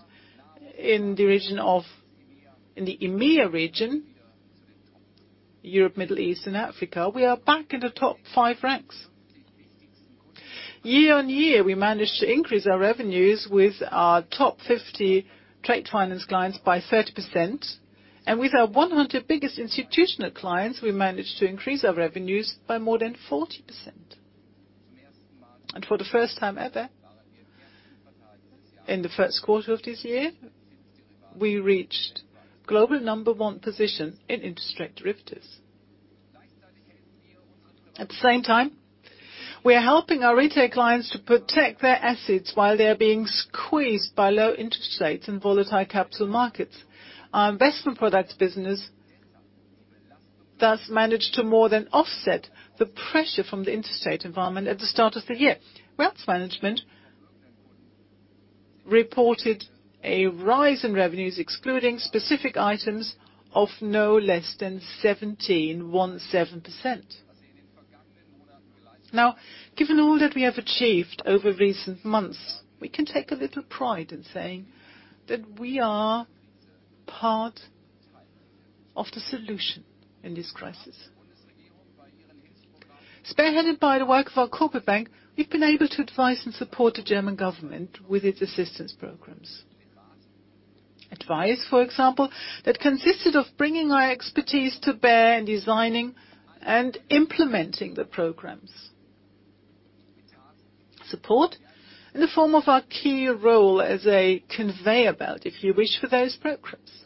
the EMEA region, Europe, Middle East, and Africa, we are back in the top five ranks. Year-on-year, we managed to increase our revenues with our top 50 trade finance clients by 30%, and with our 100 biggest institutional clients, we managed to increase our revenues by more than 40%. For the first time ever, in the first quarter of this year, we reached global number one position in interest rate derivatives. At the same time, we are helping our retail clients to protect their assets while they are being squeezed by low interest rates and volatile capital markets. Our investment products business thus managed to more than offset the pressure from the interest rate environment at the start of the year. Wealth Management reported a rise in revenues, excluding specific items, of no less than 17%. Given all that we have achieved over recent months, we can take a little pride in saying that we are part of the solution in this crisis. Spearheaded by the work of our Corporate Bank, we've been able to advise and support the German government with its assistance programs. Advice, for example, that consisted of bringing our expertise to bear in designing and implementing the programs. Support in the form of our key role as a conveyor belt, if you wish, for those programs.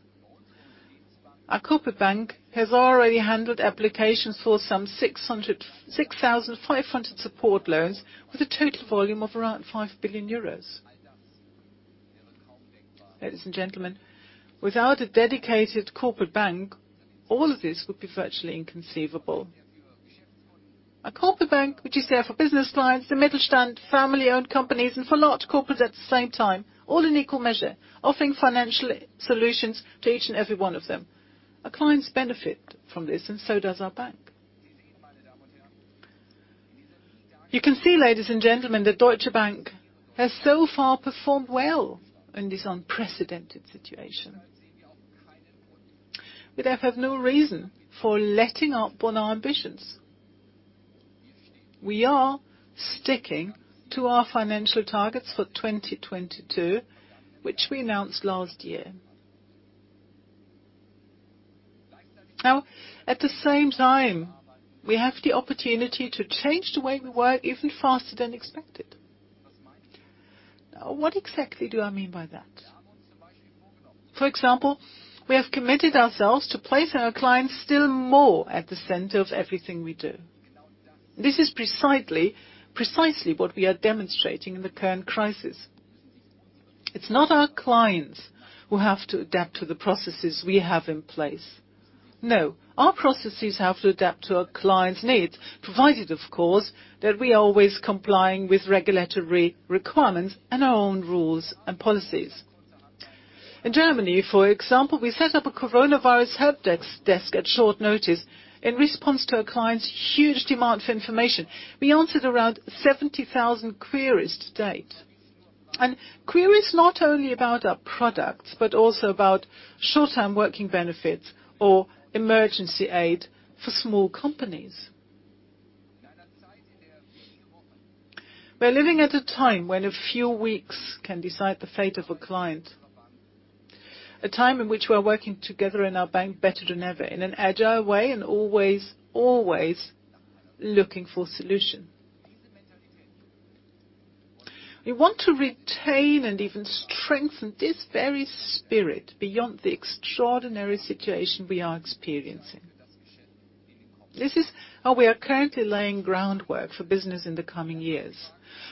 Our Corporate Bank has already handled applications for some 6,500 support loans with a total volume of around 5 billion euros. Ladies and gentlemen, without a dedicated Corporate Bank, all of this would be virtually inconceivable. A Corporate Bank, which is there for business clients, the Mittelstand, family-owned companies, and for large corporates at the same time, all in equal measure, offering financial solutions to each and every one of them. Our clients benefit from this, and so does our bank. You can see, ladies and gentlemen, that Deutsche Bank has so far performed well in this unprecedented situation. We therefore have no reason for letting up on our ambitions. We are sticking to our financial targets for 2022, which we announced last year. Now, at the same time, we have the opportunity to change the way we work even faster than expected. Now, what exactly do I mean by that? For example, we have committed ourselves to place our clients still more at the center of everything we do. This is precisely what we are demonstrating in the current crisis. It's not our clients who have to adapt to the processes we have in place. No, our processes have to adapt to our clients' needs, provided of course, that we are always complying with regulatory requirements and our own rules and policies. In Germany, for example, we set up a coronavirus help desk at short notice in response to our clients' huge demand for information. We answered around 70,000 queries to date. Queries not only about our products, but also about short-term working benefits or emergency aid for small companies. We are living at a time when a few weeks can decide the fate of a client. A time in which we are working together in our bank better than ever in an agile way and always looking for solutions. We want to retain and even strengthen this very spirit beyond the extraordinary situation we are experiencing. This is how we are currently laying groundwork for business in the coming years.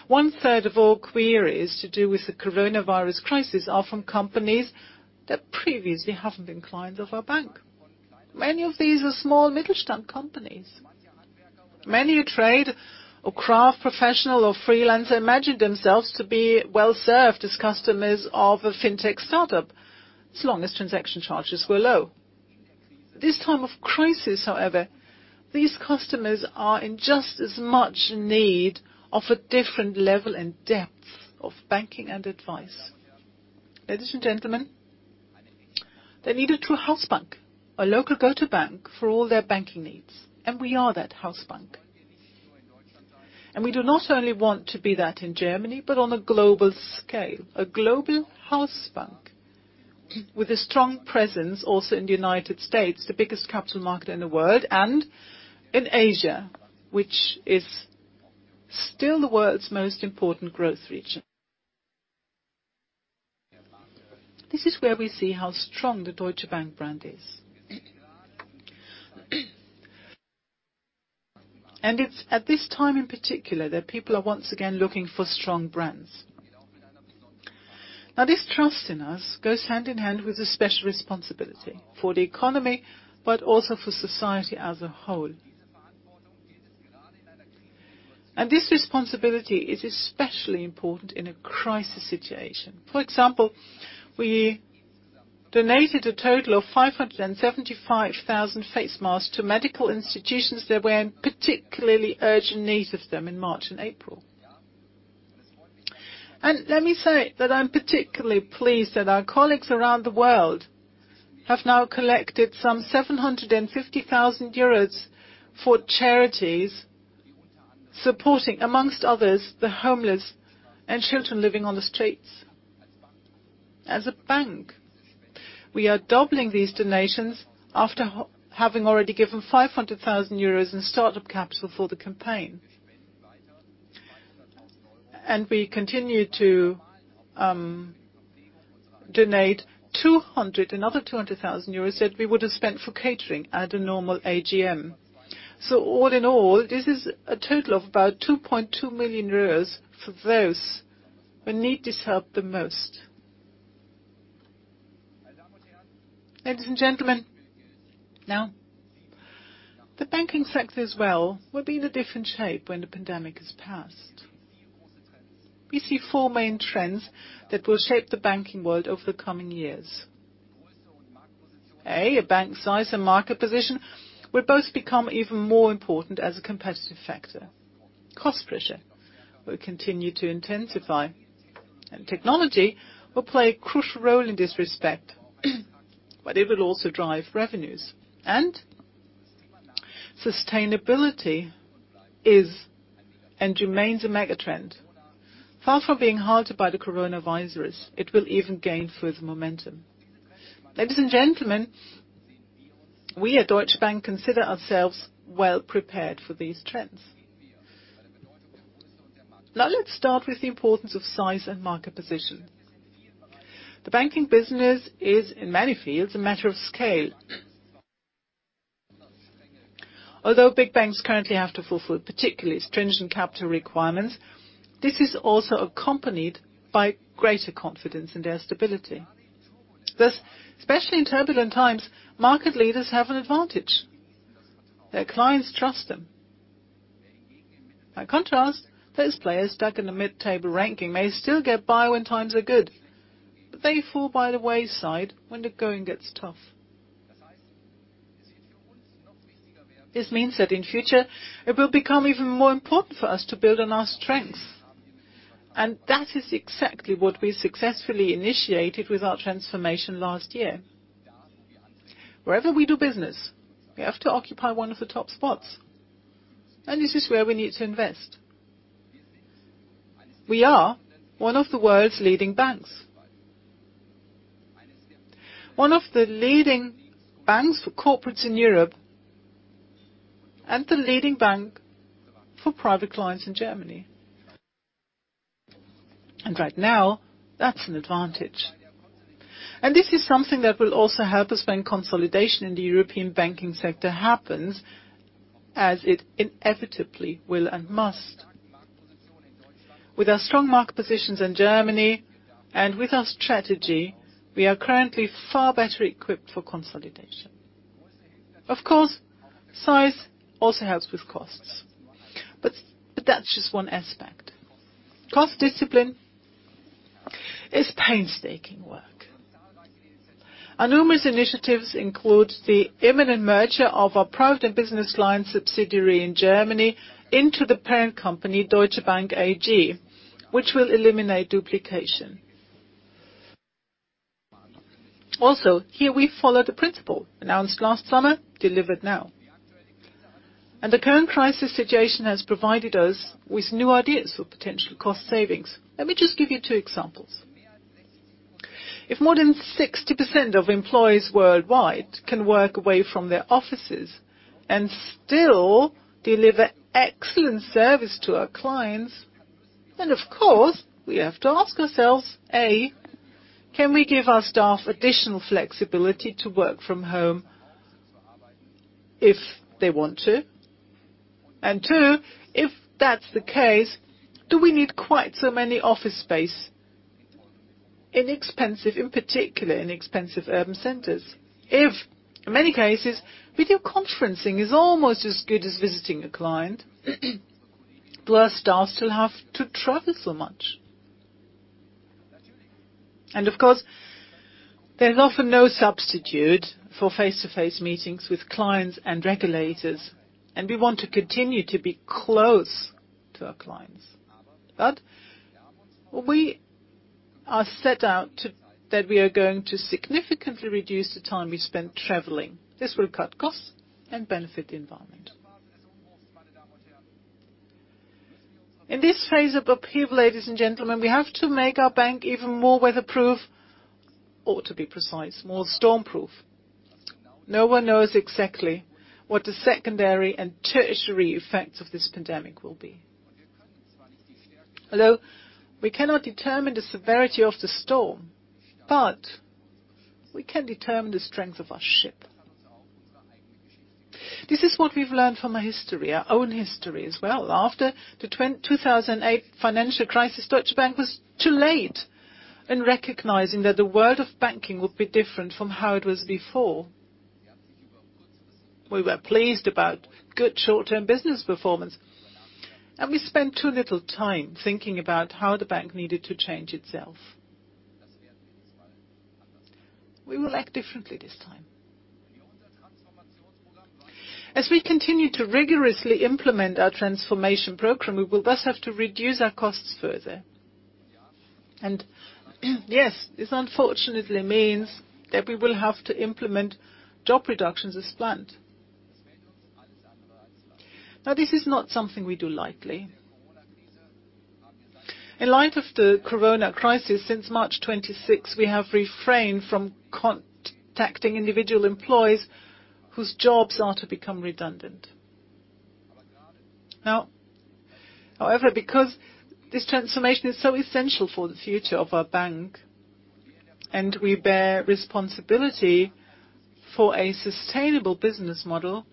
One third of all queries to do with the coronavirus crisis are from companies that previously haven't been clients of our bank. Many of these are small Mittelstand companies. Many who trade or craft professional or freelancer imagined themselves to be well-served as customers of a fintech startup, so long as transaction charges were low. This time of crisis, however, these customers are in just as much need of a different level and depth of banking and advice. Ladies and gentlemen, they need a true house bank, a local go-to bank for all their banking needs, and we are that house bank. We do not only want to be that in Germany, but on a global scale. A global house bank with a strong presence also in the U.S., the biggest capital market in the world, and in Asia, which is still the world's most important growth region. This is where we see how strong the Deutsche Bank brand is. It's at this time in particular that people are once again looking for strong brands. Now, this trust in us goes hand in hand with a special responsibility for the economy, but also for society as a whole. This responsibility is especially important in a crisis situation. For example, we donated a total of 575,000 face masks to medical institutions that were in particularly urgent need of them in March and April. Let me say that I'm particularly pleased that our colleagues around the world have now collected some 750,000 euros for charities supporting, amongst others, the homeless and children living on the streets. As a bank, we are doubling these donations after having already given 500,000 euros in startup capital for the campaign. We continue to donate another 200,000 euros that we would have spent for catering at a normal AGM. All in all, this is a total of about 2.2 million euros for those who need this help the most. Ladies and gentlemen, now, the banking sector as well will be in a different shape when the pandemic has passed. We see four main trends that will shape the banking world over the coming years. A bank size and market position will both become even more important as a competitive factor. Cost pressure will continue to intensify, technology will play a crucial role in this respect, it will also drive revenues. Sustainability is and remains a mega trend. Far from being halted by the coronavirus, it will even gain further momentum. Ladies and gentlemen, we at Deutsche Bank consider ourselves well prepared for these trends. Let's start with the importance of size and market position. The banking business is, in many fields, a matter of scale. Although big banks currently have to fulfill particularly stringent capital requirements, this is also accompanied by greater confidence in their stability. Especially in turbulent times, market leaders have an advantage. Their clients trust them. Those players stuck in the mid-table ranking may still get by when times are good, but they fall by the wayside when the going gets tough. This means that in future, it will become even more important for us to build on our strengths, and that is exactly what we successfully initiated with our transformation last year. Wherever we do business, we have to occupy one of the top spots, and this is where we need to invest. We are one of the world's leading banks. One of the leading banks for corporates in Europe, and the leading bank for private clients in Germany. Right now, that's an advantage. This is something that will also help us when consolidation in the European banking sector happens, as it inevitably will and must. With our strong market positions in Germany, with our strategy, we are currently far better equipped for consolidation. Of course, size also helps with costs, but that's just one aspect. Cost discipline is painstaking work. Our numerous initiatives include the imminent merger of our private and business line subsidiary in Germany into the parent company, Deutsche Bank AG, which will eliminate duplication. Here we follow the principle, announced last summer, delivered now. The current crisis situation has provided us with new ideas for potential cost savings. Let me just give you two examples. If more than 60% of employees worldwide can work away from their offices and still deliver excellent service to our clients, then of course, we have to ask ourselves, A, can we give our staff additional flexibility to work from home if they want to? Two, if that's the case, do we need quite so many office space? In expensive, in particular, in expensive urban centers. If, in many cases, video conferencing is almost as good as visiting a client, do our stars still have to travel so much? Of course, there's often no substitute for face-to-face meetings with clients and regulators, and we want to continue to be close to our clients. We are set out that we are going to significantly reduce the time we spend traveling. This will cut costs and benefit the environment. In this phase of upheaval, ladies and gentlemen, we have to make our bank even more weather-proof, or to be precise, more storm-proof. No one knows exactly what the secondary and tertiary effects of this pandemic will be. Although we cannot determine the severity of the storm, but we can determine the strength of our ship. This is what we've learned from our history, our own history as well. After the 2008 financial crisis, Deutsche Bank was too late in recognizing that the world of banking would be different from how it was before. We were pleased about good short-term business performance. We spent too little time thinking about how the bank needed to change itself. We will act differently this time. As we continue to rigorously implement our transformation program, we will thus have to reduce our costs further. Yes, this unfortunately means that we will have to implement job reductions as planned. This is not something we do lightly. In light of the corona crisis, since March 26, we have refrained from contacting individual employees whose jobs are to become redundant. However, because this transformation is so essential for the future of our bank and we bear responsibility for a sustainable business model,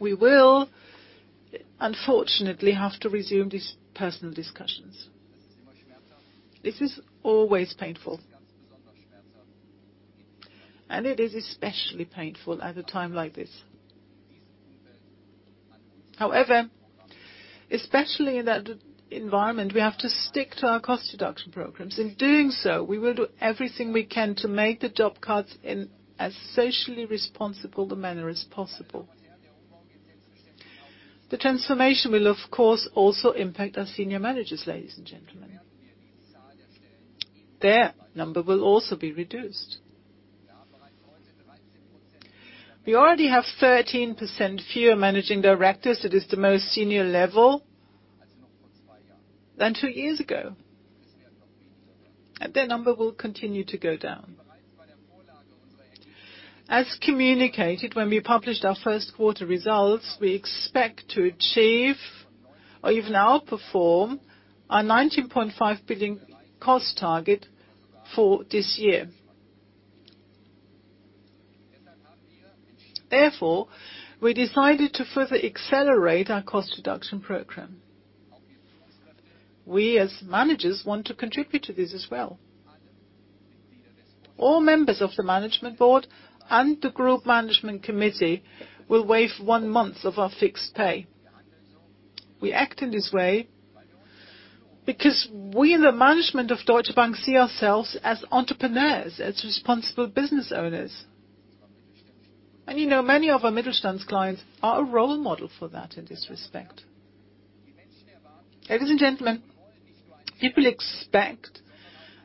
we will unfortunately have to resume these personal discussions. This is always painful. It is especially painful at a time like this. However, especially in that environment, we have to stick to our cost reduction programs. In doing so, we will do everything we can to make the job cuts in as socially responsible the manner as possible. The transformation will, of course, also impact our senior managers, ladies and gentlemen. Their number will also be reduced. We already have 13% fewer managing directors, that is the most senior level, than two years ago. Their number will continue to go down. As communicated when we published our first quarter results, we expect to achieve or even outperform our 19.5 billion cost target for this year. Therefore, we decided to further accelerate our cost reduction program. We, as managers, want to contribute to this as well. All members of the Management Board and the Group Management Committee will waive one month of our fixed pay. We act in this way because we in the management of Deutsche Bank see ourselves as entrepreneurs, as responsible business owners. You know, many of our Mittelstand clients are a role model for that in this respect. Ladies and gentlemen, people expect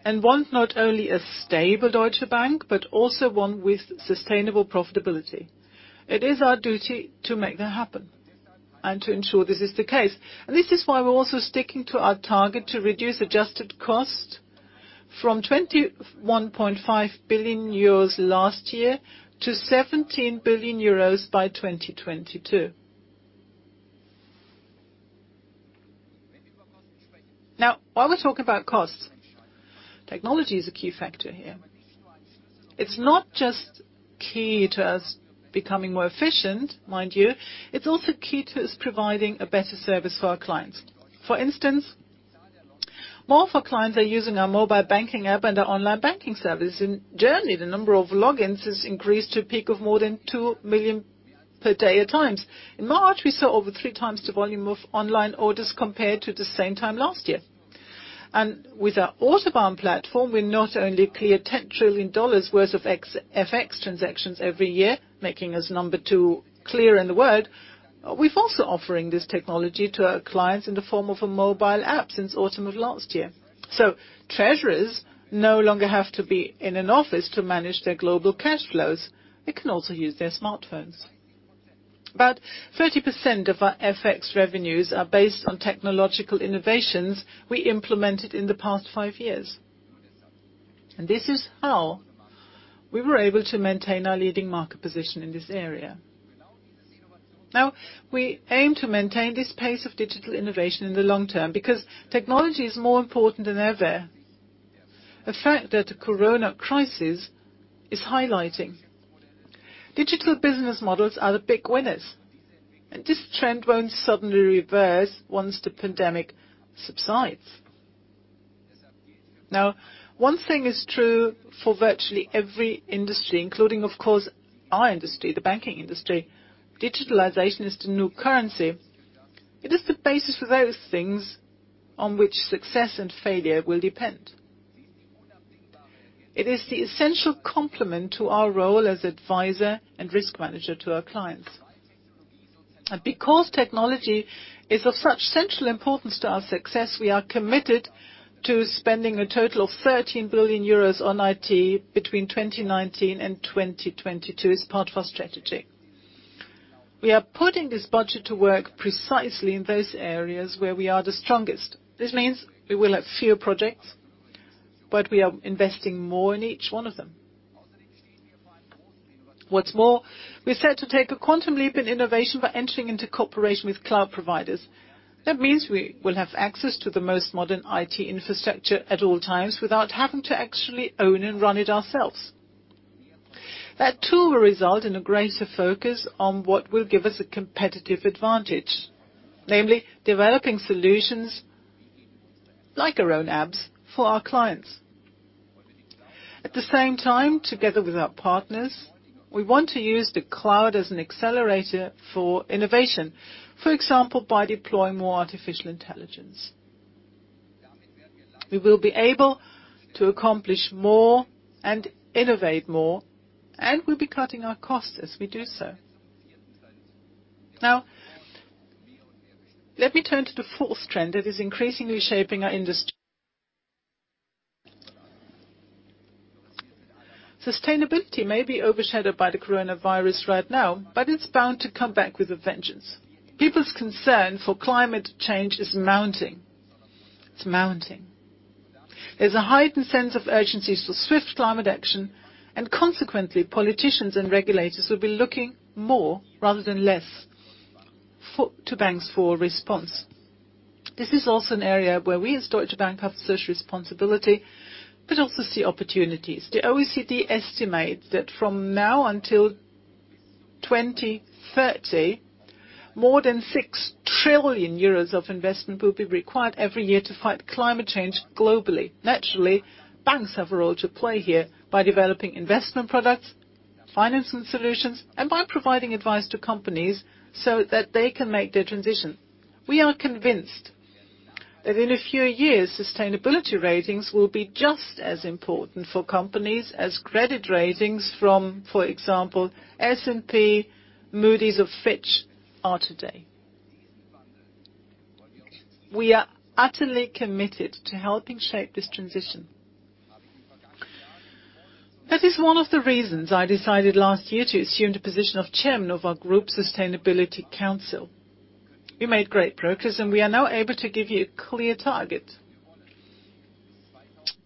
and want not only a stable Deutsche Bank, but also one with sustainable profitability. It is our duty to make that happen and to ensure this is the case. This is why we're also sticking to our target to reduce adjusted cost from 21.5 billion euros last year to 17 billion euros by 2022. Now, while we talk about costs, technology is a key factor here. It's not just key to us becoming more efficient, mind you. It's also key to us providing a better service for our clients. For instance, more of our clients are using our mobile banking app and our online banking service. In Germany, the number of logins has increased to a peak of more than 2 million per day at times. In March, we saw over 3 times the volume of online orders compared to the same time last year. With our Autobahn platform, we not only clear EUR 10 trillion worth of FX transactions every year, making us number 2 clearer in the world, we've also offering this technology to our clients in the form of a mobile app since autumn of last year. Treasurers no longer have to be in an office to manage their global cash flows. They can also use their smartphones. About 30% of our FX revenues are based on technological innovations we implemented in the past five years. This is how we were able to maintain our leading market position in this area. Now, we aim to maintain this pace of digital innovation in the long term because technology is more important than ever. A fact that the corona crisis is highlighting. Digital business models are the big winners, and this trend won't suddenly reverse once the pandemic subsides. Now, one thing is true for virtually every industry, including, of course, our industry, the banking industry. Digitalization is the new currency. It is the basis for those things on which success and failure will depend. It is the essential complement to our role as advisor and risk manager to our clients. Because technology is of such central importance to our success, we are committed to spending a total of €13 billion on IT between 2019 and 2022 as part of our strategy. We are putting this budget to work precisely in those areas where we are the strongest. This means we will have fewer projects, but we are investing more in each one of them. What's more, we're set to take a quantum leap in innovation by entering into cooperation with cloud providers. That means we will have access to the most modern IT infrastructure at all times without having to actually own and run it ourselves. That too will result in a greater focus on what will give us a competitive advantage, namely, developing solutions like our own apps for our clients. At the same time, together with our partners, we want to use the cloud as an accelerator for innovation. For example, by deploying more artificial intelligence. We will be able to accomplish more and innovate more, and we'll be cutting our costs as we do so. Let me turn to the fourth trend that is increasingly shaping our industry. Sustainability may be overshadowed by the coronavirus right now, but it's bound to come back with a vengeance. People's concern for climate change is mounting. It's mounting. There's a heightened sense of urgency for swift climate action, and consequently, politicians and regulators will be looking more rather than less to banks for a response. This is also an area where we at Deutsche Bank have social responsibility, but also see opportunities. The OECD estimates that from now until 2030, more than €6 trillion of investment will be required every year to fight climate change globally. Naturally, banks have a role to play here by developing investment products, financing solutions, and by providing advice to companies so that they can make their transition. We are convinced that in a few years, sustainability ratings will be just as important for companies as credit ratings from, for example, S&P, Moody's or Fitch are today. We are utterly committed to helping shape this transition. That is one of the reasons I decided last year to assume the position of chairman of our Group Sustainability Council. We made great progress, and we are now able to give you a clear target.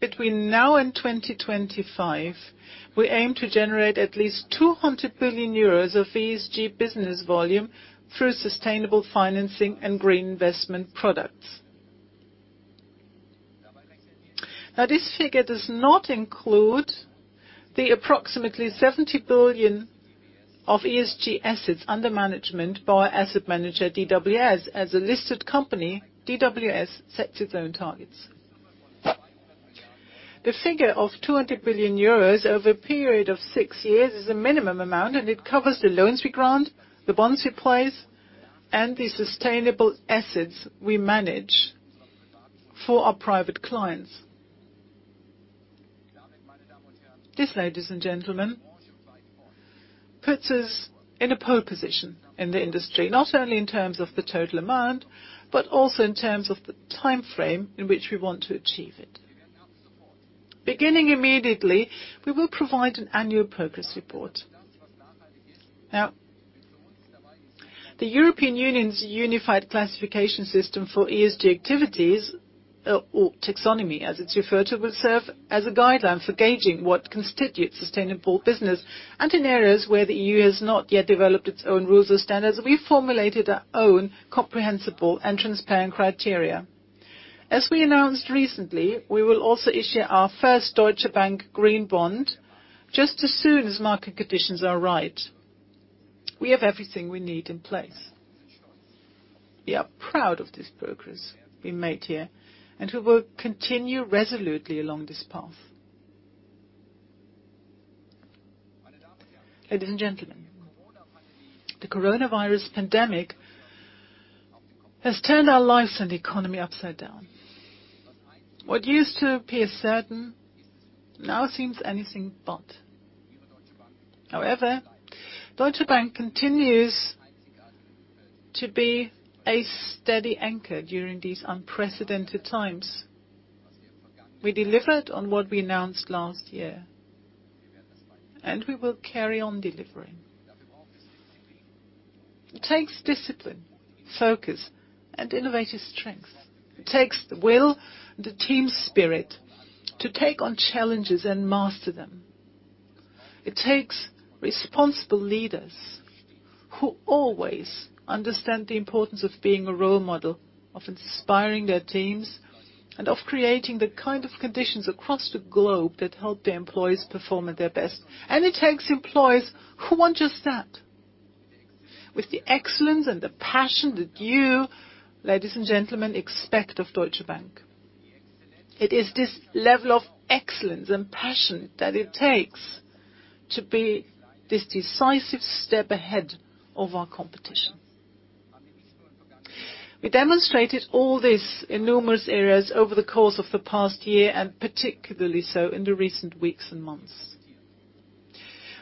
Between now and 2025, we aim to generate at least €200 billion of ESG business volume through sustainable financing and green investment products. Now, this figure does not include the approximately 70 billion of ESG assets under management by our asset manager, DWS. As a listed company, DWS sets its own targets. The figure of 200 billion euros over a period of six years is a minimum amount, and it covers the loans we grant, the bonds we place, and the sustainable assets we manage for our private clients. This, ladies and gentlemen, puts us in a pole position in the industry, not only in terms of the total amount, but also in terms of the timeframe in which we want to achieve it. Beginning immediately, we will provide an annual progress report. Now, the European Union's unified classification system for ESG activities, or taxonomy as it's referred to, will serve as a guideline for gauging what constitutes sustainable business. In areas where the EU has not yet developed its own rules or standards, we formulated our own comprehensible and transparent criteria. As we announced recently, we will also issue our first Deutsche Bank green bond, just as soon as market conditions are right. We have everything we need in place. We are proud of this progress we made here, and we will continue resolutely along this path. Ladies and gentlemen, the coronavirus pandemic has turned our lives and economy upside down. What used to appear certain now seems anything but. However, Deutsche Bank continues to be a steady anchor during these unprecedented times. We delivered on what we announced last year, and we will carry on delivering. It takes discipline, focus, and innovative strength. It takes the will and the team spirit to take on challenges and master them. It takes responsible leaders who always understand the importance of being a role model, of inspiring their teams, and of creating the kind of conditions across the globe that help their employees perform at their best. It takes employees who want just that. With the excellence and the passion that you, ladies and gentlemen, expect of Deutsche Bank. It is this level of excellence and passion that it takes to be this decisive step ahead of our competition. We demonstrated all this in numerous areas over the course of the past year, and particularly so in the recent weeks and months.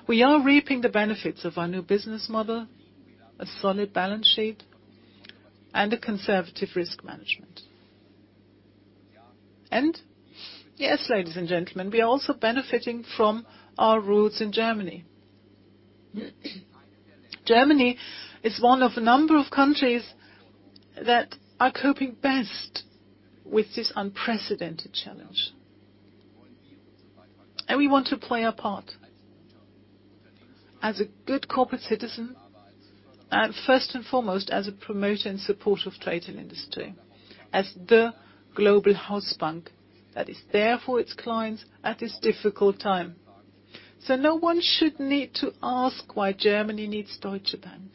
We are reaping the benefits of our new business model, a solid balance sheet, and a conservative risk management. Yes, ladies and gentlemen, we are also benefiting from our roots in Germany. Germany is one of a number of countries that are coping best with this unprecedented challenge. We want to play a part as a good corporate citizen, and first and foremost, as a promoter and supporter of trade and industry as the global house bank that is there for its clients at this difficult time. No one should need to ask why Germany needs Deutsche Bank.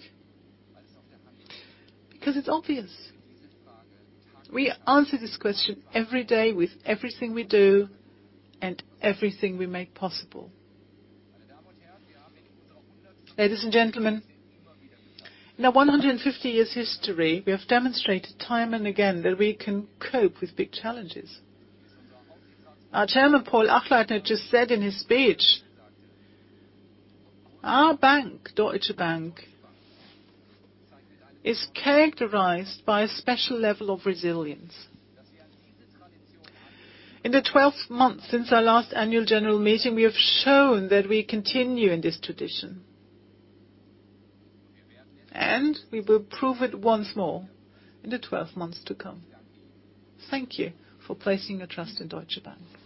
It's obvious. We answer this question every day with everything we do and everything we make possible. Ladies and gentlemen, in our 150 years history, we have demonstrated time and again that we can cope with big challenges. Our Chairman, Paul Achleitner, just said in his speech our bank, Deutsche Bank, is characterized by a special level of resilience. In the 12 months since our last annual general meeting, we have shown that we continue in this tradition. We will prove it once more in the 12 months to come. Thank you for placing your trust in Deutsche Bank. Thank you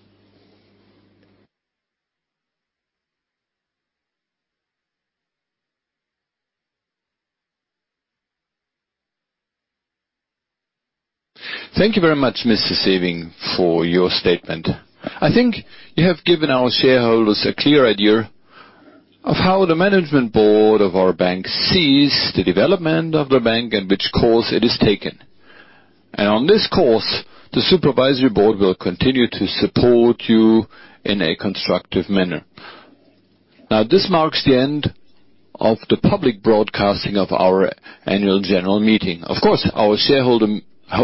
very much, Mr. Sewing, for your statement. I think you have given our shareholders a clear idea of how the management board of our bank sees the development of the bank and which course it has taken. On this course, the supervisory board will continue to support you in a constructive manner. This marks the end of the public broadcasting of our annual general meeting. Of course, our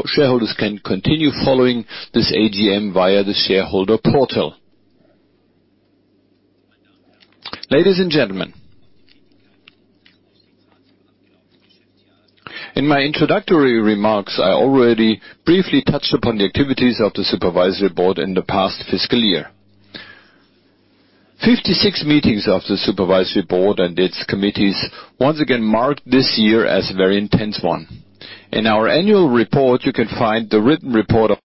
shareholders can continue following this AGM via the shareholder portal. Ladies and gentlemen, in my introductory remarks, I already briefly touched upon the activities of the supervisory board in the past fiscal year. 56 meetings of the supervisory board and its committees once again marked this year as a very intense one. In our annual report, you can find the written report of